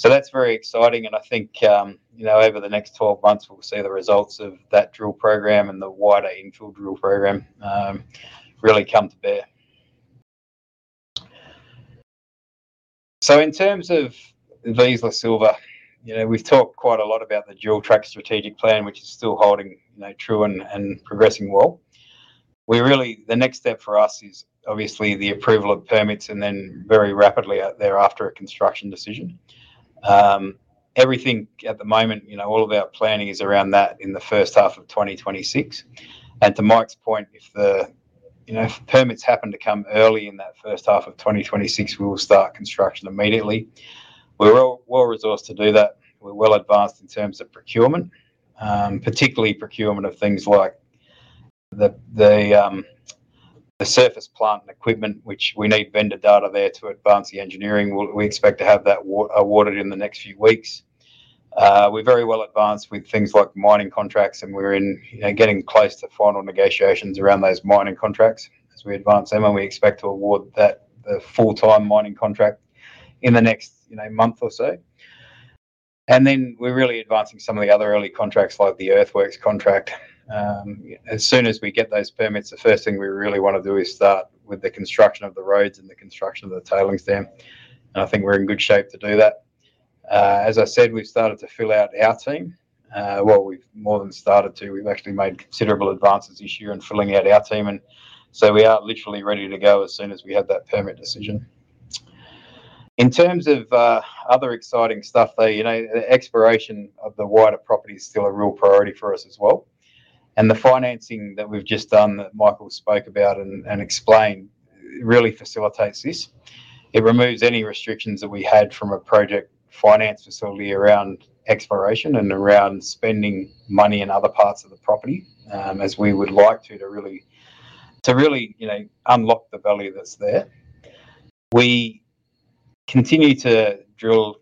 That is very exciting. I think over the next 12 months, we'll see the results of that drill program and the wider infill drill program really come to bear. In terms of Vizsla Silver, we've talked quite a lot about the dual-track strategic plan, which is still holding true and progressing well. The next step for us is obviously the approval of permits and then very rapidly thereafter a construction decision. Everything at the moment, all of our planning is around that in the first half of 2026. To Mike's point, if permits happen to come early in that first half of 2026, we will start construction immediately. We're well-resourced to do that. We're well-advanced in terms of procurement, particularly procurement of things like the surface plant and equipment, which we need vendor data there to advance the engineering. We expect to have that awarded in the next few weeks. We're very well-advanced with things like mining contracts, and we're getting close to final negotiations around those mining contracts. As we advance them, we expect to award the full-time mining contract in the next month or so. We are really advancing some of the other early contracts like the earthworks contract. As soon as we get those permits, the first thing we really want to do is start with the construction of the roads and the construction of the tailings stand. I think we're in good shape to do that. As I said, we've started to fill out our team. We've more than started to. We've actually made considerable advances this year in filling out our team. We are literally ready to go as soon as we have that permit decision. In terms of other exciting stuff, the exploration of the wider property is still a real priority for us as well. The financing that we've just done that Michael spoke about and explained really facilitates this. It removes any restrictions that we had from a project finance facility around exploration and around spending money in other parts of the property as we would like to really unlock the value that's there. We continue to drill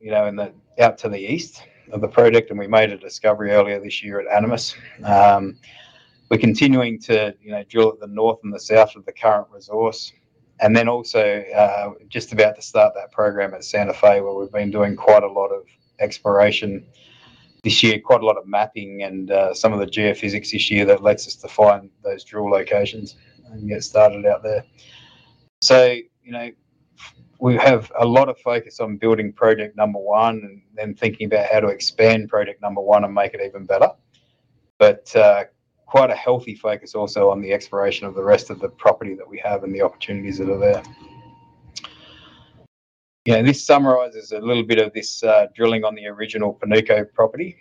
out to the east of the project, and we made a discovery earlier this year at Animus. We're continuing to drill at the north and the south of the current resource. We are also just about to start that program at Santa Fe, where we have been doing quite a lot of exploration this year, quite a lot of mapping and some of the geophysics this year that lets us define those drill locations and get started out there. We have a lot of focus on building project number one and then thinking about how to expand project number one and make it even better. There is quite a healthy focus also on the exploration of the rest of the property that we have and the opportunities that are there. This summarizes a little bit of this drilling on the original Panuco property.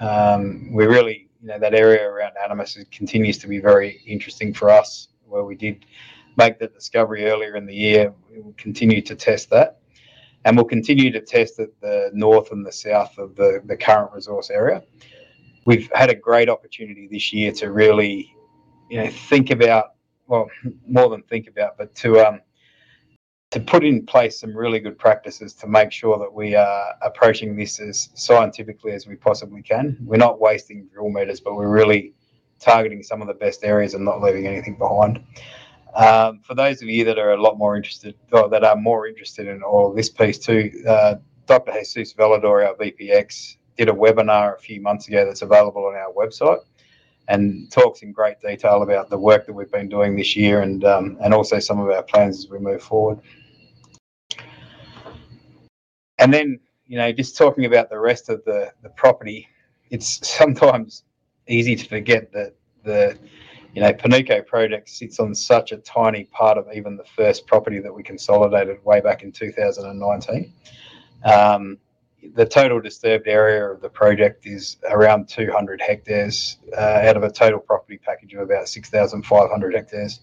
That area around Animus continues to be very interesting for us, where we did make that discovery earlier in the year. We will continue to test that. We will continue to test at the north and the south of the current resource area. We have had a great opportunity this year to really think about, well, more than think about, but to put in place some really good practices to make sure that we are approaching this as scientifically as we possibly can. We are not wasting drill meters, but we are really targeting some of the best areas and not leaving anything behind. For those of you that are a lot more interested, that are more interested in all of this piece too, Dr. Jesus Velador, our VPX, did a webinar a few months ago that is available on our website and talks in great detail about the work that we have been doing this year and also some of our plans as we move forward. Just talking about the rest of the property, it's sometimes easy to forget that the Panuco project sits on such a tiny part of even the first property that we consolidated way back in 2019. The total disturbed area of the project is around 200 hectares out of a total property package of about 6,500 hectares.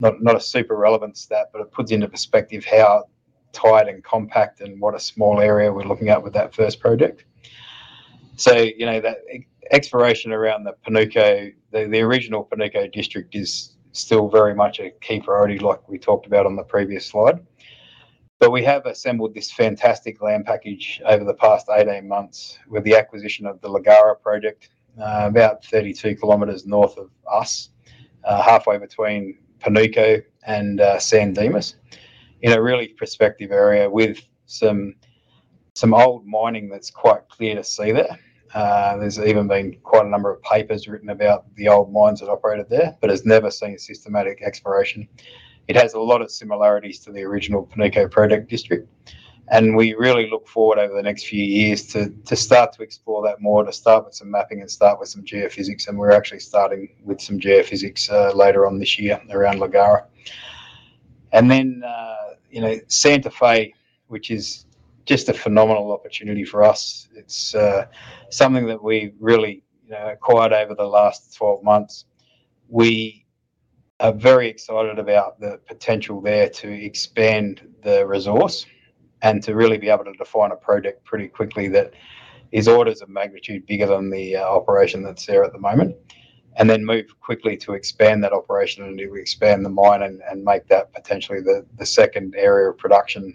Not a super relevant stat, but it puts into perspective how tight and compact and what a small area we're looking at with that first project. The exploration around the original Panuco district is still very much a key priority like we talked about on the previous slide. We have assembled this fantastic land package over the past 18 months with the acquisition of the Lagara project, about 32 km north of us, halfway between Panuco and San Dimas, in a really prospective area with some old mining that's quite clear to see there. There's even been quite a number of papers written about the old mines that operated there, but it's never seen systematic exploration. It has a lot of similarities to the original Panuco project district. We really look forward over the next few years to start to explore that more, to start with some mapping and start with some geophysics. We're actually starting with some geophysics later on this year around Lagara. Santa Fe, which is just a phenomenal opportunity for us, is something that we really acquired over the last 12 months. We are very excited about the potential there to expand the resource and to really be able to define a project pretty quickly that is orders of magnitude bigger than the operation that's there at the moment. We can move quickly to expand that operation and expand the mine and make that potentially the second area of production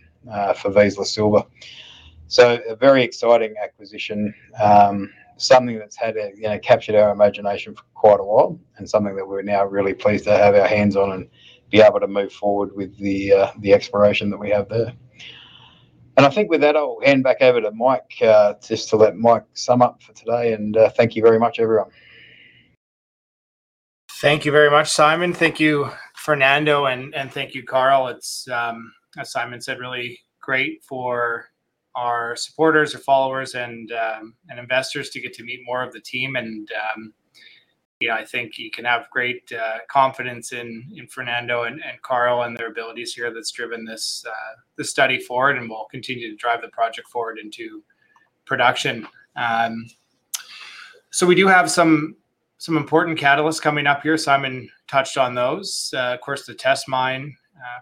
for Vizsla Silver. It is a very exciting acquisition, something that's captured our imagination for quite a while and something that we're now really pleased to have our hands on and be able to move forward with the exploration that we have there. I think with that, I'll hand back over to Mike just to let Mike sum up for today. Thank you very much, everyone. Thank you very much, Simon. Thank you, Fernando, and thank you, Karl. As Simon said, really great for our supporters, our followers, and investors to get to meet more of the team. I think you can have great confidence in Fernando and Karl and their abilities here that's driven this study forward and will continue to drive the project forward into production. We do have some important catalysts coming up here. Simon touched on those. Of course, the test mine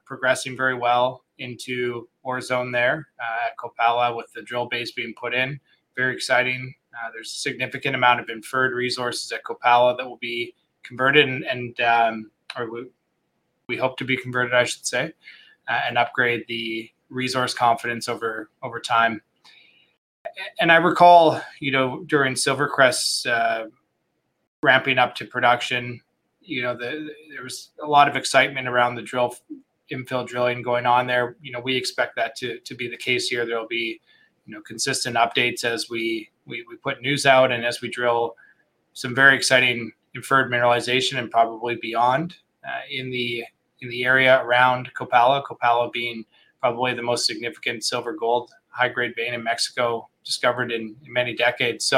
progressing very well into our zone there at Copala with the drill base being put in. Very exciting. There's a significant amount of inferred resources at Copala that will be converted and we hope to be converted, I should say, and upgrade the resource confidence over time. I recall during SilverCrest Metals' ramping up to production, there was a lot of excitement around the infill drilling going on there. We expect that to be the case here. There will be consistent updates as we put news out and as we drill some very exciting inferred mineralization and probably beyond in the area around Copala, Copala being probably the most significant silver-gold high-grade vein in Mexico discovered in many decades.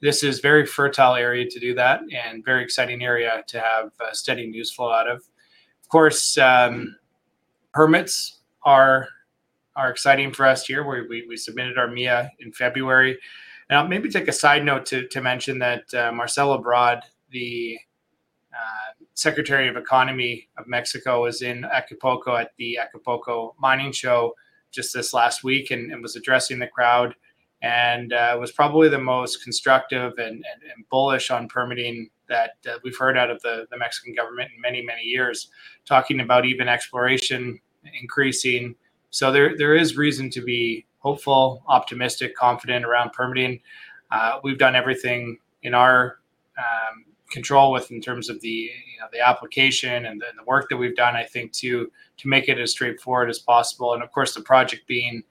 This is a very fertile area to do that and a very exciting area to have steady news flow out of. Of course, permits are exciting for us here. We submitted our MIA in February. Now, maybe take a side note to mention that Marcelo Ebrard, the Secretary of Economy of Mexico, was in Acapulco at the Acapulco Mining Show just this last week and was addressing the crowd. It was probably the most constructive and bullish on permitting that we've heard out of the Mexican government in many, many years, talking about even exploration increasing. There is reason to be hopeful, optimistic, confident around permitting. We've done everything in our control in terms of the application and the work that we've done, I think, to make it as straightforward as possible. Of course, the project being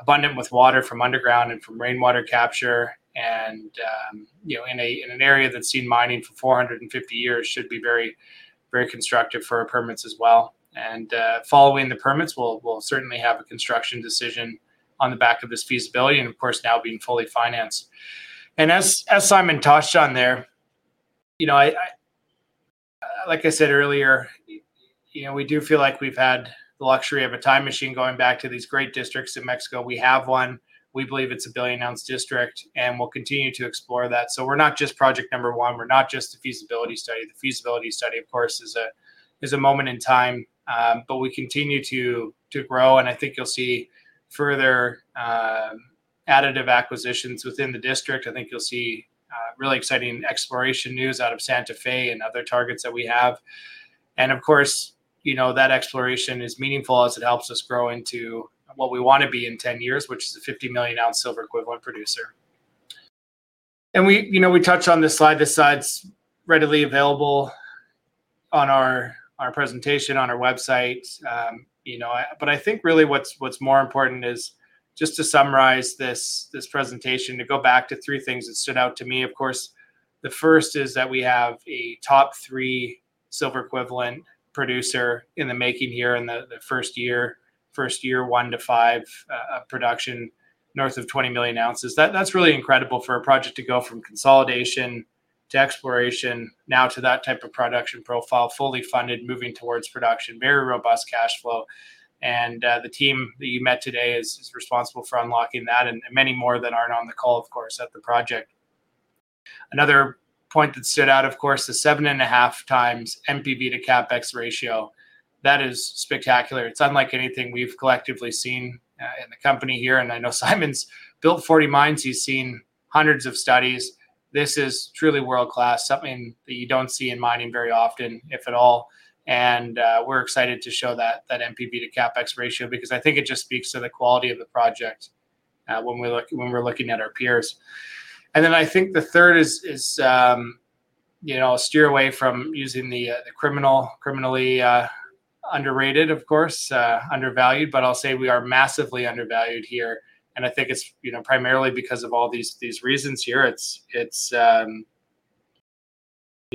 abundant with water from underground and from rainwater capture and in an area that's seen mining for 450 years should be very constructive for our permits as well. Following the permits, we'll certainly have a construction decision on the back of this feasibility and, of course, now being fully financed. As Simon touched on there, like I said earlier, we do feel like we've had the luxury of a time machine going back to these great districts in Mexico. We have one. We believe it's a billion oz district, and we'll continue to explore that. We're not just project number one. We're not just a feasibility study. The feasibility study, of course, is a moment in time, but we continue to grow. I think you'll see further additive acquisitions within the district. I think you'll see really exciting exploration news out of Santa Fe and other targets that we have. Of course, that exploration is meaningful as it helps us grow into what we want to be in 10 years, which is a 50 million oz silver equivalent producer. We touched on this slide. This slide's readily available on our presentation on our website. I think really what's more important is just to summarize this presentation, to go back to three things that stood out to me. Of course, the first is that we have a top three silver equivalent producer in the making here in the first year, first year one to five of production north of 20 million ounces. That's really incredible for a project to go from consolidation to exploration, now to that type of production profile, fully funded, moving towards production, very robust cash flow. The team that you met today is responsible for unlocking that and many more that aren't on the call, of course, at the project. Another point that stood out, of course, the seven and a half times NPV to Capex ratio. That is spectacular. It's unlike anything we've collectively seen in the company here. I know Simon's built 40 mines. He's seen hundreds of studies. This is truly world-class, something that you don't see in mining very often, if at all. We're excited to show that NPV to CapEx ratio because I think it just speaks to the quality of the project when we're looking at our peers. I think the third is steer away from using the criminally underrated, of course, undervalued, but I'll say we are massively undervalued here. I think it's primarily because of all these reasons here. It's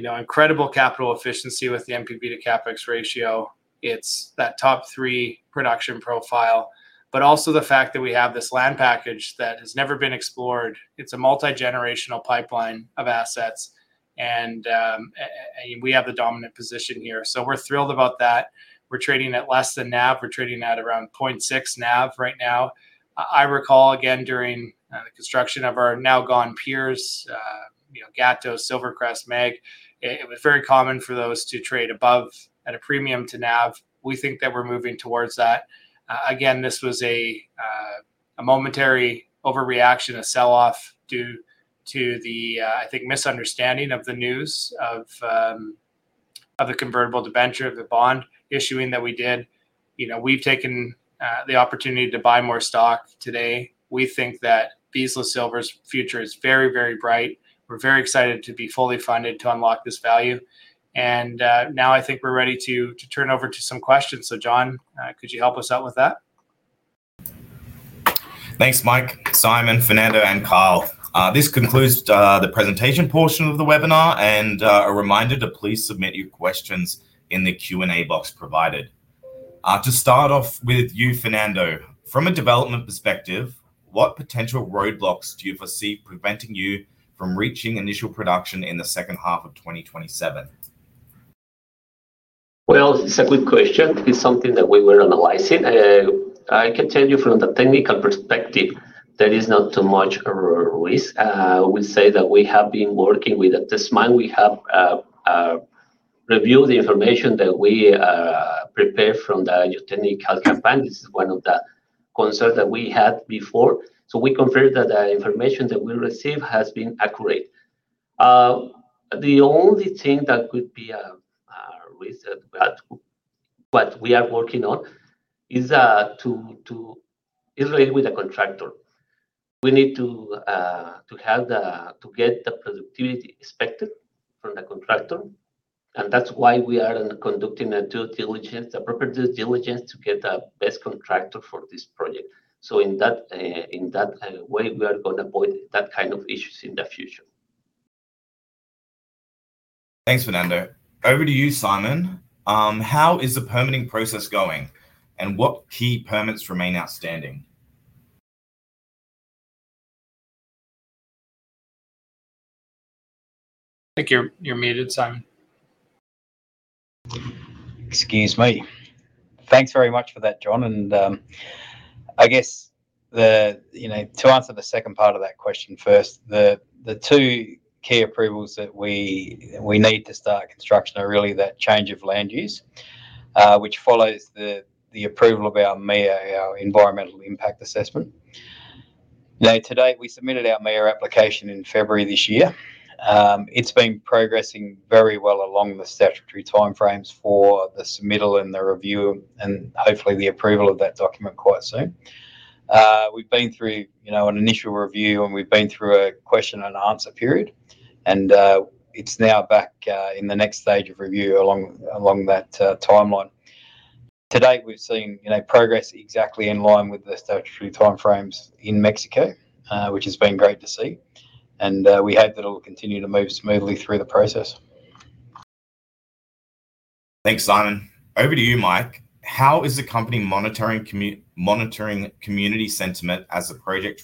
incredible capital efficiency with the NPV to CapEx ratio. It's that top three production profile, but also the fact that we have this land package that has never been explored. It's a multi-generational pipeline of assets, and we have the dominant position here. We're thrilled about that. We're trading at less than NAV. We're trading at around 0.6 NAV right now. I recall, again, during the construction of our now-gone peers, Gatos, SilverCrest, MAG, it was very common for those to trade above at a premium to NAV. We think that we're moving towards that. Again, this was a momentary overreaction, a sell-off due to the, I think, misunderstanding of the news of the convertible debenture, the bond issuing that we did. We've taken the opportunity to buy more stock today. We think that Vizsla Silver's future is very, very bright. We're very excited to be fully funded to unlock this value. I think we're ready to turn over to some questions. Jon, could you help us out with that? Thanks, Mike, Simon, Fernando, and Karl. This concludes the presentation portion of the webinar and a reminder to please submit your questions in the Q&A box provided. To start off with you, Fernando, from a development perspective, what potential roadblocks do you foresee preventing you from reaching initial production in the second half of 2027? It is a good question. It is something that we were analyzing. I can tell you from the technical perspective, there is not too much risk. We say that we have been working with a test mine. We have reviewed the information that we prepared from the geotechnical campaign. This is one of the concerns that we had before. We confirm that the information that we received has been accurate. The only thing that could be a risk that we are working on is related with the contractor. We need to get the productivity expected from the contractor. That is why we are conducting the proper due diligence to get the best contractor for this project. In that way, we are going to avoid that kind of issues in the future. Thanks, Fernando. Over to you, Simon. How is the permitting process going? What key permits remain outstanding? I think you're muted, Simon. Excuse me. Thanks very much for that, Jon. I guess to answer the second part of that question first, the two key approvals that we need to start construction are really that change of land use, which follows the approval of our MIA, our environmental impact assessment. Today, we submitted our MIA application in February this year. It's been progressing very well along the statutory timeframes for the submittal and the review and hopefully the approval of that document quite soon. We've been through an initial review, and we've been through a question and answer period. It's now back in the next stage of review along that timeline. Today, we've seen progress exactly in line with the statutory timeframes in Mexico, which has been great to see. We hope that it will continue to move smoothly through the process. Thanks, Simon. Over to you, Mike. How is the company monitoring community sentiment as the project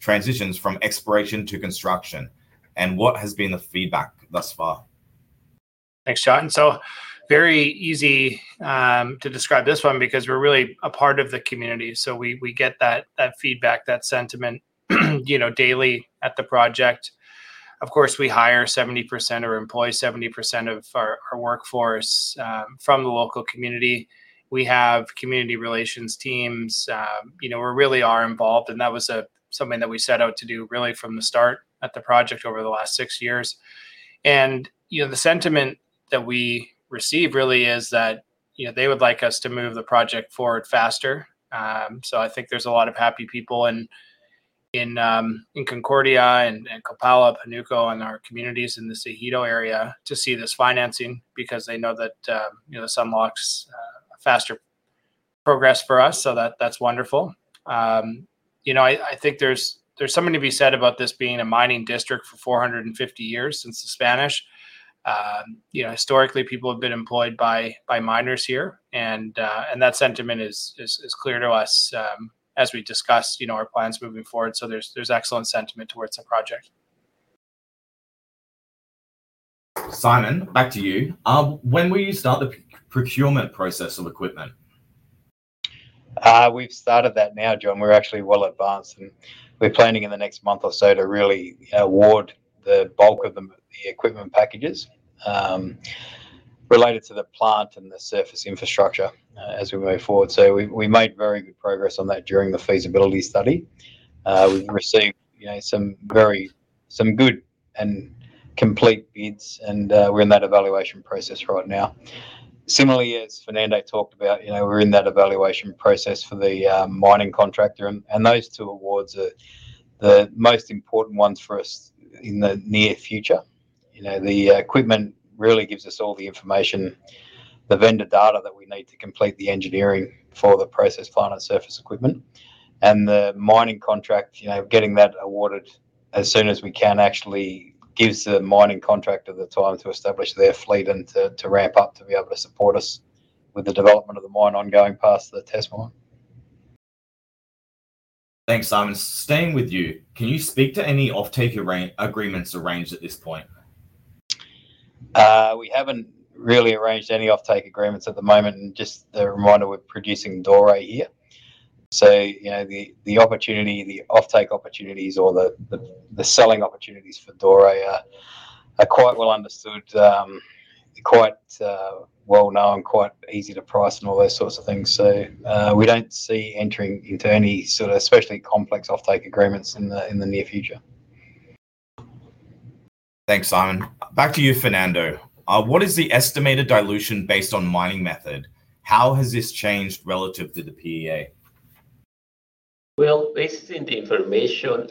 transitions from exploration to construction? What has been the feedback thus far? Thanks, Jon. Very easy to describe this one because we're really a part of the community. We get that feedback, that sentiment daily at the project. Of course, we hire 70% or employ 70% of our workforce from the local community. We have community relations teams. We really are involved. That was something that we set out to do really from the start at the project over the last six years. The sentiment that we receive really is that they would like us to move the project forward faster. I think there are a lot of happy people in Concordia and Copala, Panuco, and our communities in the Sajito area to see this financing because they know that this unlocks faster progress for us. That is wonderful. I think there is something to be said about this being a mining district for 450 years since the Spanish. Historically, people have been employed by miners here. That sentiment is clear to us as we discuss our plans moving forward. There is excellent sentiment towards the project. Simon, back to you. When will you start the procurement process of equipment? We have started that now, Jon. We are actually well advanced. We are planning in the next month or so to really award the bulk of the equipment packages related to the plant and the surface infrastructure as we move forward. We made very good progress on that during the feasibility study. We have received some good and complete bids. We are in that evaluation process right now. Similarly, as Fernando talked about, we are in that evaluation process for the mining contractor. Those two awards are the most important ones for us in the near future. The equipment really gives us all the information, the vendor data that we need to complete the engineering for the process plant and surface equipment. The mining contract, getting that awarded as soon as we can actually gives the mining contractor the time to establish their fleet and to ramp up to be able to support us with the development of the mine ongoing past the test mine. Thanks, Simon. Staying with you, can you speak to any off-take agreements arranged at this point? We haven't really arranged any off-take agreements at the moment. Just a reminder, we're producing DORA here. The off-take opportunities or the selling opportunities for DORA are quite well understood, quite well known, quite easy to price, and all those sorts of things. We don't see entering into any sort of especially complex off-take agreements in the near future. Thanks, Simon. Back to you, Fernando. What is the estimated dilution based on mining method? How has this changed relative to the PEA? Based on the information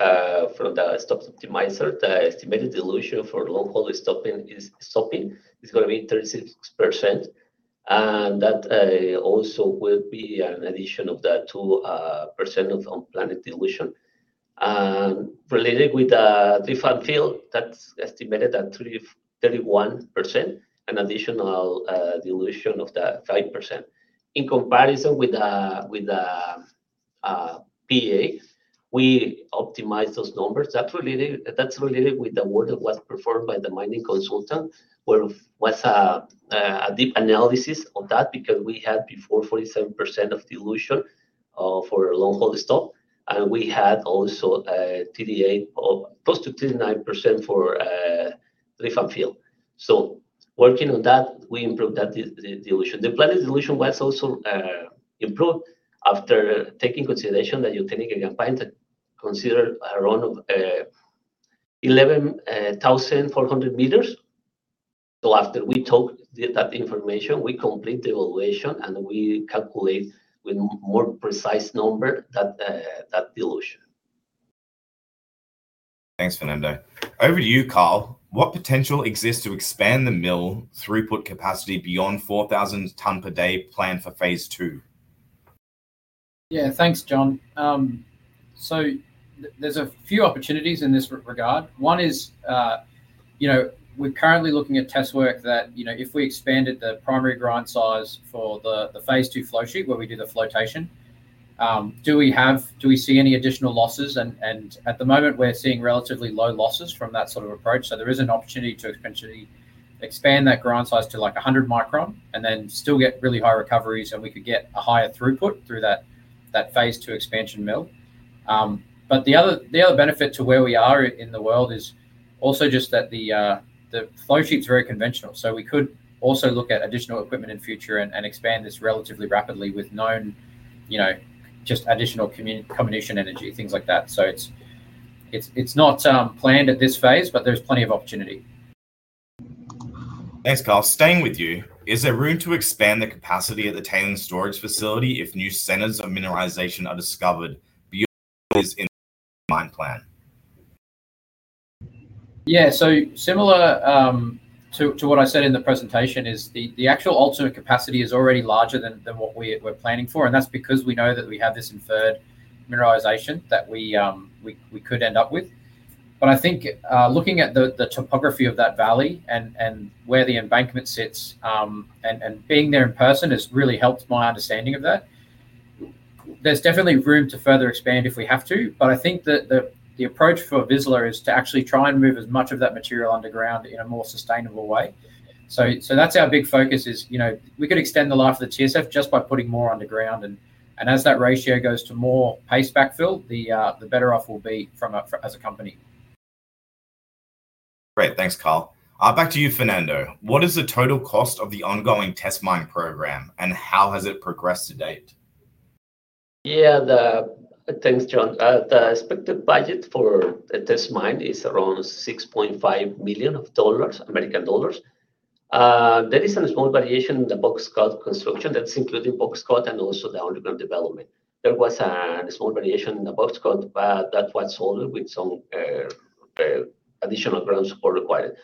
from the stope optimizer, the estimated dilution for long-hole stoping is going to be 36%. That also will be an addition of that 2% of unplanned dilution. Related with the drift and fill, that's estimated at 31%, an additional dilution of that 5%. In comparison with the PEA, we optimized those numbers. That's related with the work that was performed by the mining consultant, where it was a deep analysis of that because we had before 47% of dilution for long-hole stoping. We had also close to 39% for drift and fill. Working on that, we improved that dilution. The planned dilution was also improved after taking consideration that the geotechnical campaign considered around 11,400 m. After we took that information, we complete the evaluation, and we calculate with more precise number that dilution. Thanks, Fernando. Over to you, Karl. What potential exists to expand the mill throughput capacity beyond 4,000 ton per day planned for phase II? Yeah, thanks, Jon. There are a few opportunities in this regard. One is we're currently looking at test work that if we expanded the primary grind size for the phase II flow sheet where we do the flotation, do we see any additional losses? At the moment, we're seeing relatively low losses from that sort of approach. There is an opportunity to expand that grind size to like 100 micron and then still get really high recoveries, and we could get a higher throughput through that phase II expansion mill. The other benefit to where we are in the world is also just that the flow sheet is very conventional. We could also look at additional equipment in the future and expand this relatively rapidly with known just additional combination energy, things like that. It is not planned at this phase, but there is plenty of opportunity. Thanks, Karl. Staying with you, is there room to expand the capacity at the tailings storage facility if new centers of mineralization are discovered beyond what is in the mine plan? Yeah. Similar to what I said in the presentation, the actual ultimate capacity is already larger than what we are planning for. That is because we know that we have this inferred mineralization that we could end up with. I think looking at the topography of that valley and where the embankment sits and being there in person has really helped my understanding of that. There is definitely room to further expand if we have to. I think that the approach for Vizsla is to actually try and move as much of that material underground in a more sustainable way. That is our big focus is we could extend the life of the TSF just by putting more underground. As that ratio goes to more paste backfill, the better off we will be as a company. Great. Thanks, Karl. Back to you, Fernando. What is the total cost of the ongoing test mine program, and how has it progressed to date? Yeah, thanks, Jon. The expected budget for the test mine is around 6.5 million dollars. There is a small variation in the box cut construction. That is including box cut and also the underground development. There was a small variation in the box cut, but that was solved with some additional ground support required.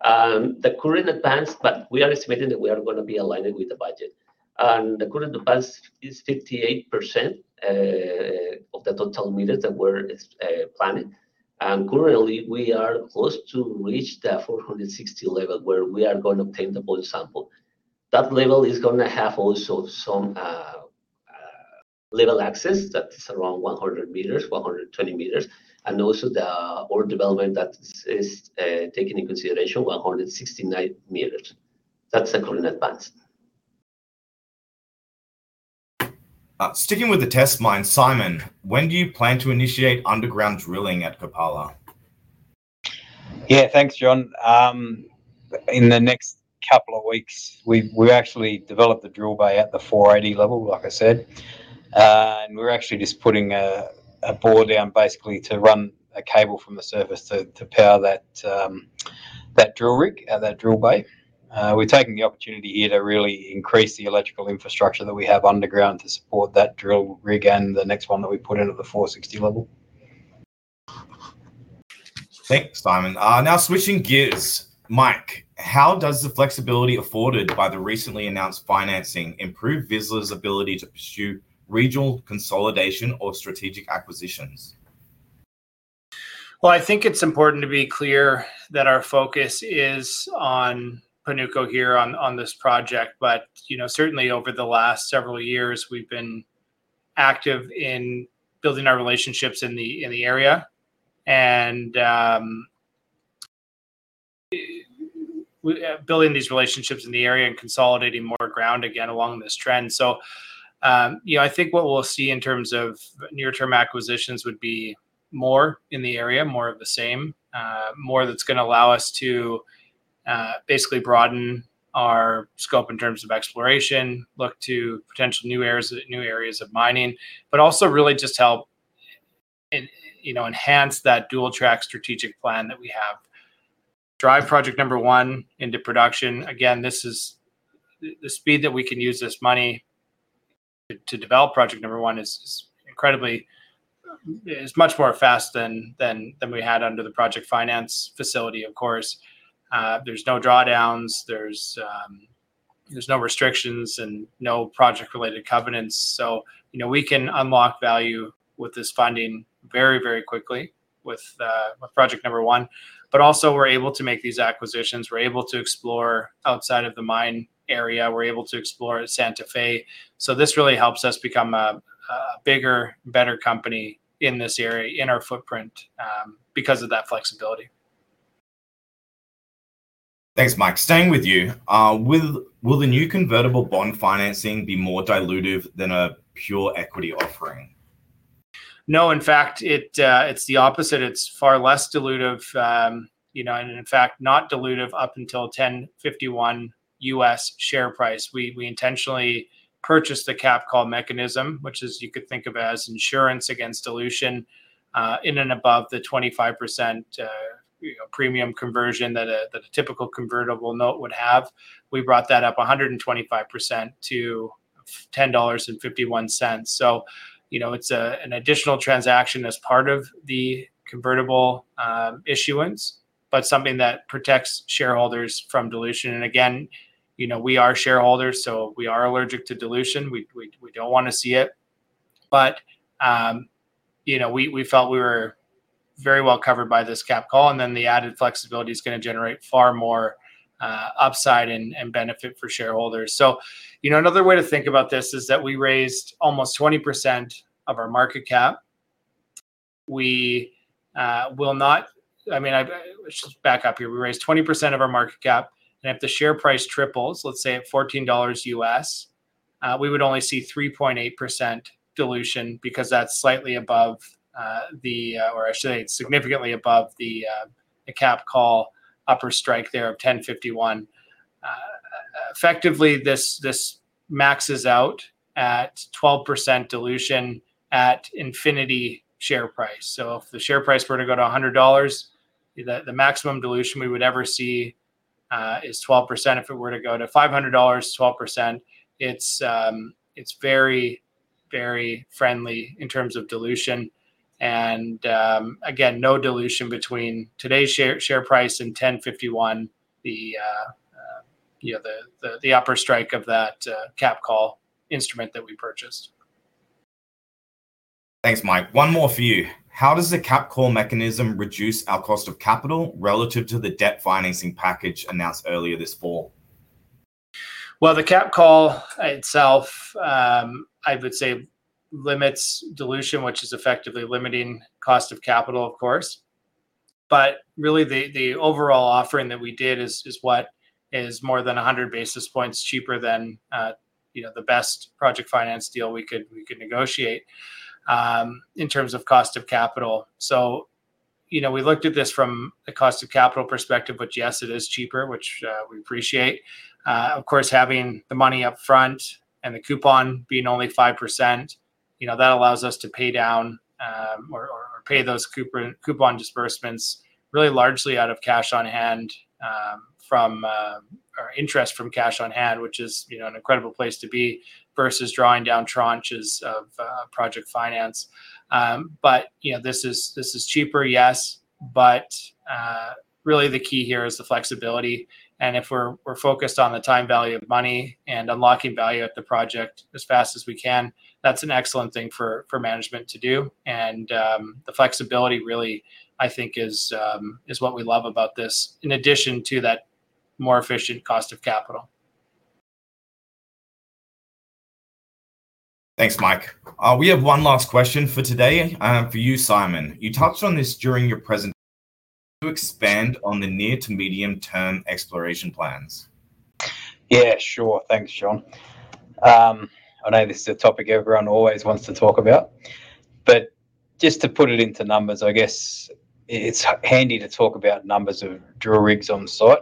The current advance, but we are estimating that we are going to be aligned with the budget. The current advance is 58% of the total meters that we're planning. Currently, we are close to reach the 460 level where we are going to obtain the bulk sample. That level is going to have also some level access that is around 100 m, 120 m. Also, the old development that is taken into consideration, 169 m. That's the current advance. Sticking with the test mine, Simon, when do you plan to initiate underground drilling at Copala? Yeah, thanks, Jon. In the next couple of weeks, we actually developed the drill bay at the 480 level, like I said. We're actually just putting a bore down basically to run a cable from the surface to power that drill rig, that drill bay. We're taking the opportunity here to really increase the electrical infrastructure that we have underground to support that drill rig and the next one that we put in at the 460 level. Thanks, Simon. Now switching gears, Mike, how does the flexibility afforded by the recently announced financing improve Vizsla's ability to pursue regional consolidation or strategic acquisitions? I think it's important to be clear that our focus is on Panuco here on this project. Certainly, over the last several years, we've been active in building our relationships in the area and building these relationships in the area and consolidating more ground again along this trend. I think what we'll see in terms of near-term acquisitions would be more in the area, more of the same, more that's going to allow us to basically broaden our scope in terms of exploration, look to potential new areas of mining, but also really just help enhance that dual-track strategic plan that we have, drive project number one into production. Again, the speed that we can use this money to develop project number one is much more fast than we had under the project finance facility, of course. There's no drawdowns. There's no restrictions and no project-related covenants. We can unlock value with this funding very, very quickly with project number one. Also, we're able to make these acquisitions. We're able to explore outside of the mine area. We're able to explore Santa Fe. This really helps us become a bigger, better company in this area in our footprint because of that flexibility. Thanks, Mike. Staying with you, will the new convertible bond financing be more dilutive than a pure equity offering? No, in fact, it's the opposite. It's far less dilutive. In fact, not dilutive up until $10.51 US share price. We intentionally purchased the CapCall mechanism, which you could think of as insurance against dilution in and above the 25% premium conversion that a typical convertible note would have. We brought that up 125% to 10.51 dollars. It's an additional transaction as part of the convertible issuance, but something that protects shareholders from dilution. Again, we are shareholders, so we are allergic to dilution. We don't want to see it. We felt we were very well covered by this CapCall. The added flexibility is going to generate far more upside and benefit for shareholders. Another way to think about this is that we raised almost 20% of our market cap. I mean, let's just back up here. We raised 20% of our market cap. If the share price triples, let's say at $14, we would only see 3.8% dilution because that's slightly above the, or I should say, significantly above the CapCall upper strike there of 10.51. Effectively, this maxes out at 12% dilution at infinity share price. If the share price were to go to 100 dollars, the maximum dilution we would ever see is 12%. If it were to go to 500 dollars, 12%. It's very, very friendly in terms of dilution. Again, no dilution between today's share price and 10.51, the upper strike of that CapCall instrument that we purchased. Thanks, Mike. One more for you. How does the CapCall mechanism reduce our cost of capital relative to the debt financing package announced earlier this fall? The CapCall itself, I would say, limits dilution, which is effectively limiting cost of capital, of course. Really, the overall offering that we did is what is more than 100 basis points cheaper than the best project finance deal we could negotiate in terms of cost of capital. We looked at this from a cost of capital perspective, which yes, it is cheaper, which we appreciate. Of course, having the money upfront and the coupon being only 5%, that allows us to pay down or pay those coupon disbursements really largely out of cash on hand from our interest from cash on hand, which is an incredible place to be versus drawing down tranches of project finance. This is cheaper, yes. Really, the key here is the flexibility. If we're focused on the time value of money and unlocking value at the project as fast as we can, that's an excellent thing for management to do. The flexibility really, I think, is what we love about this in addition to that more efficient cost of capital. Thanks, Mike. We have one last question for today for you, Simon. You touched on this during your presentation to expand on the near-to-medium-term exploration plans. Yeah, sure. Thanks, Jon. I know this is a topic everyone always wants to talk about. Just to put it into numbers, I guess it's handy to talk about numbers of drill rigs on site.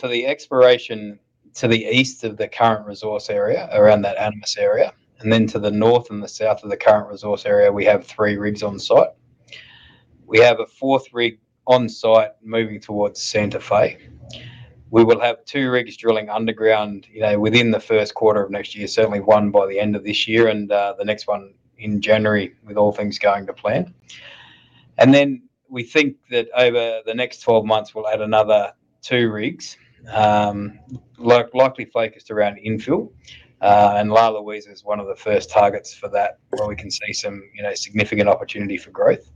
For the exploration to the east of the current resource area around that Animus area, and then to the north and the south of the current resource area, we have three rigs on site. We have a fourth rig on site moving towards Santa Fe. We will have two rigs drilling underground within the first quarter of next year, certainly one by the end of this year and the next one in January with all things going to plan. We think that over the next 12 months, we'll add another two rigs likely focused around infill. La Luisa is one of the first targets for that where we can see some significant opportunity for growth.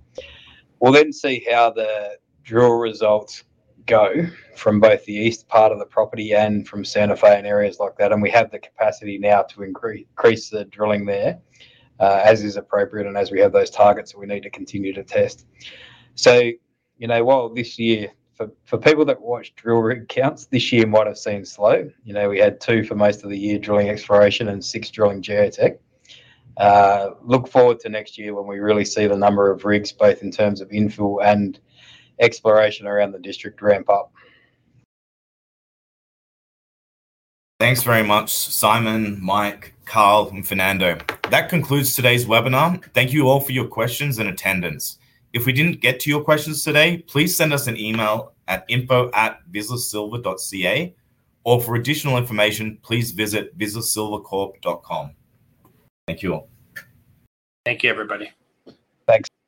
We'll then see how the drill results go from both the east part of the property and from Santa Fe and areas like that. We have the capacity now to increase the drilling there as is appropriate and as we have those targets that we need to continue to test. While this year, for people that watch drill rig counts, this year might have seemed slow. We had two for most of the year drilling exploration and six drilling geotech. Look forward to next year when we really see the number of rigs both in terms of infill and exploration around the district ramp up. Thanks very much, Simon, Mike, Karl, and Fernando. That concludes today's webinar. Thank you all for your questions and attendance. If we did not get to your questions today, please send us an email at info@vizlasilver.ca. For additional information, please visit vizlasilvercorp.com. Thank you. Thank you, everybody. Thanks. Thanks.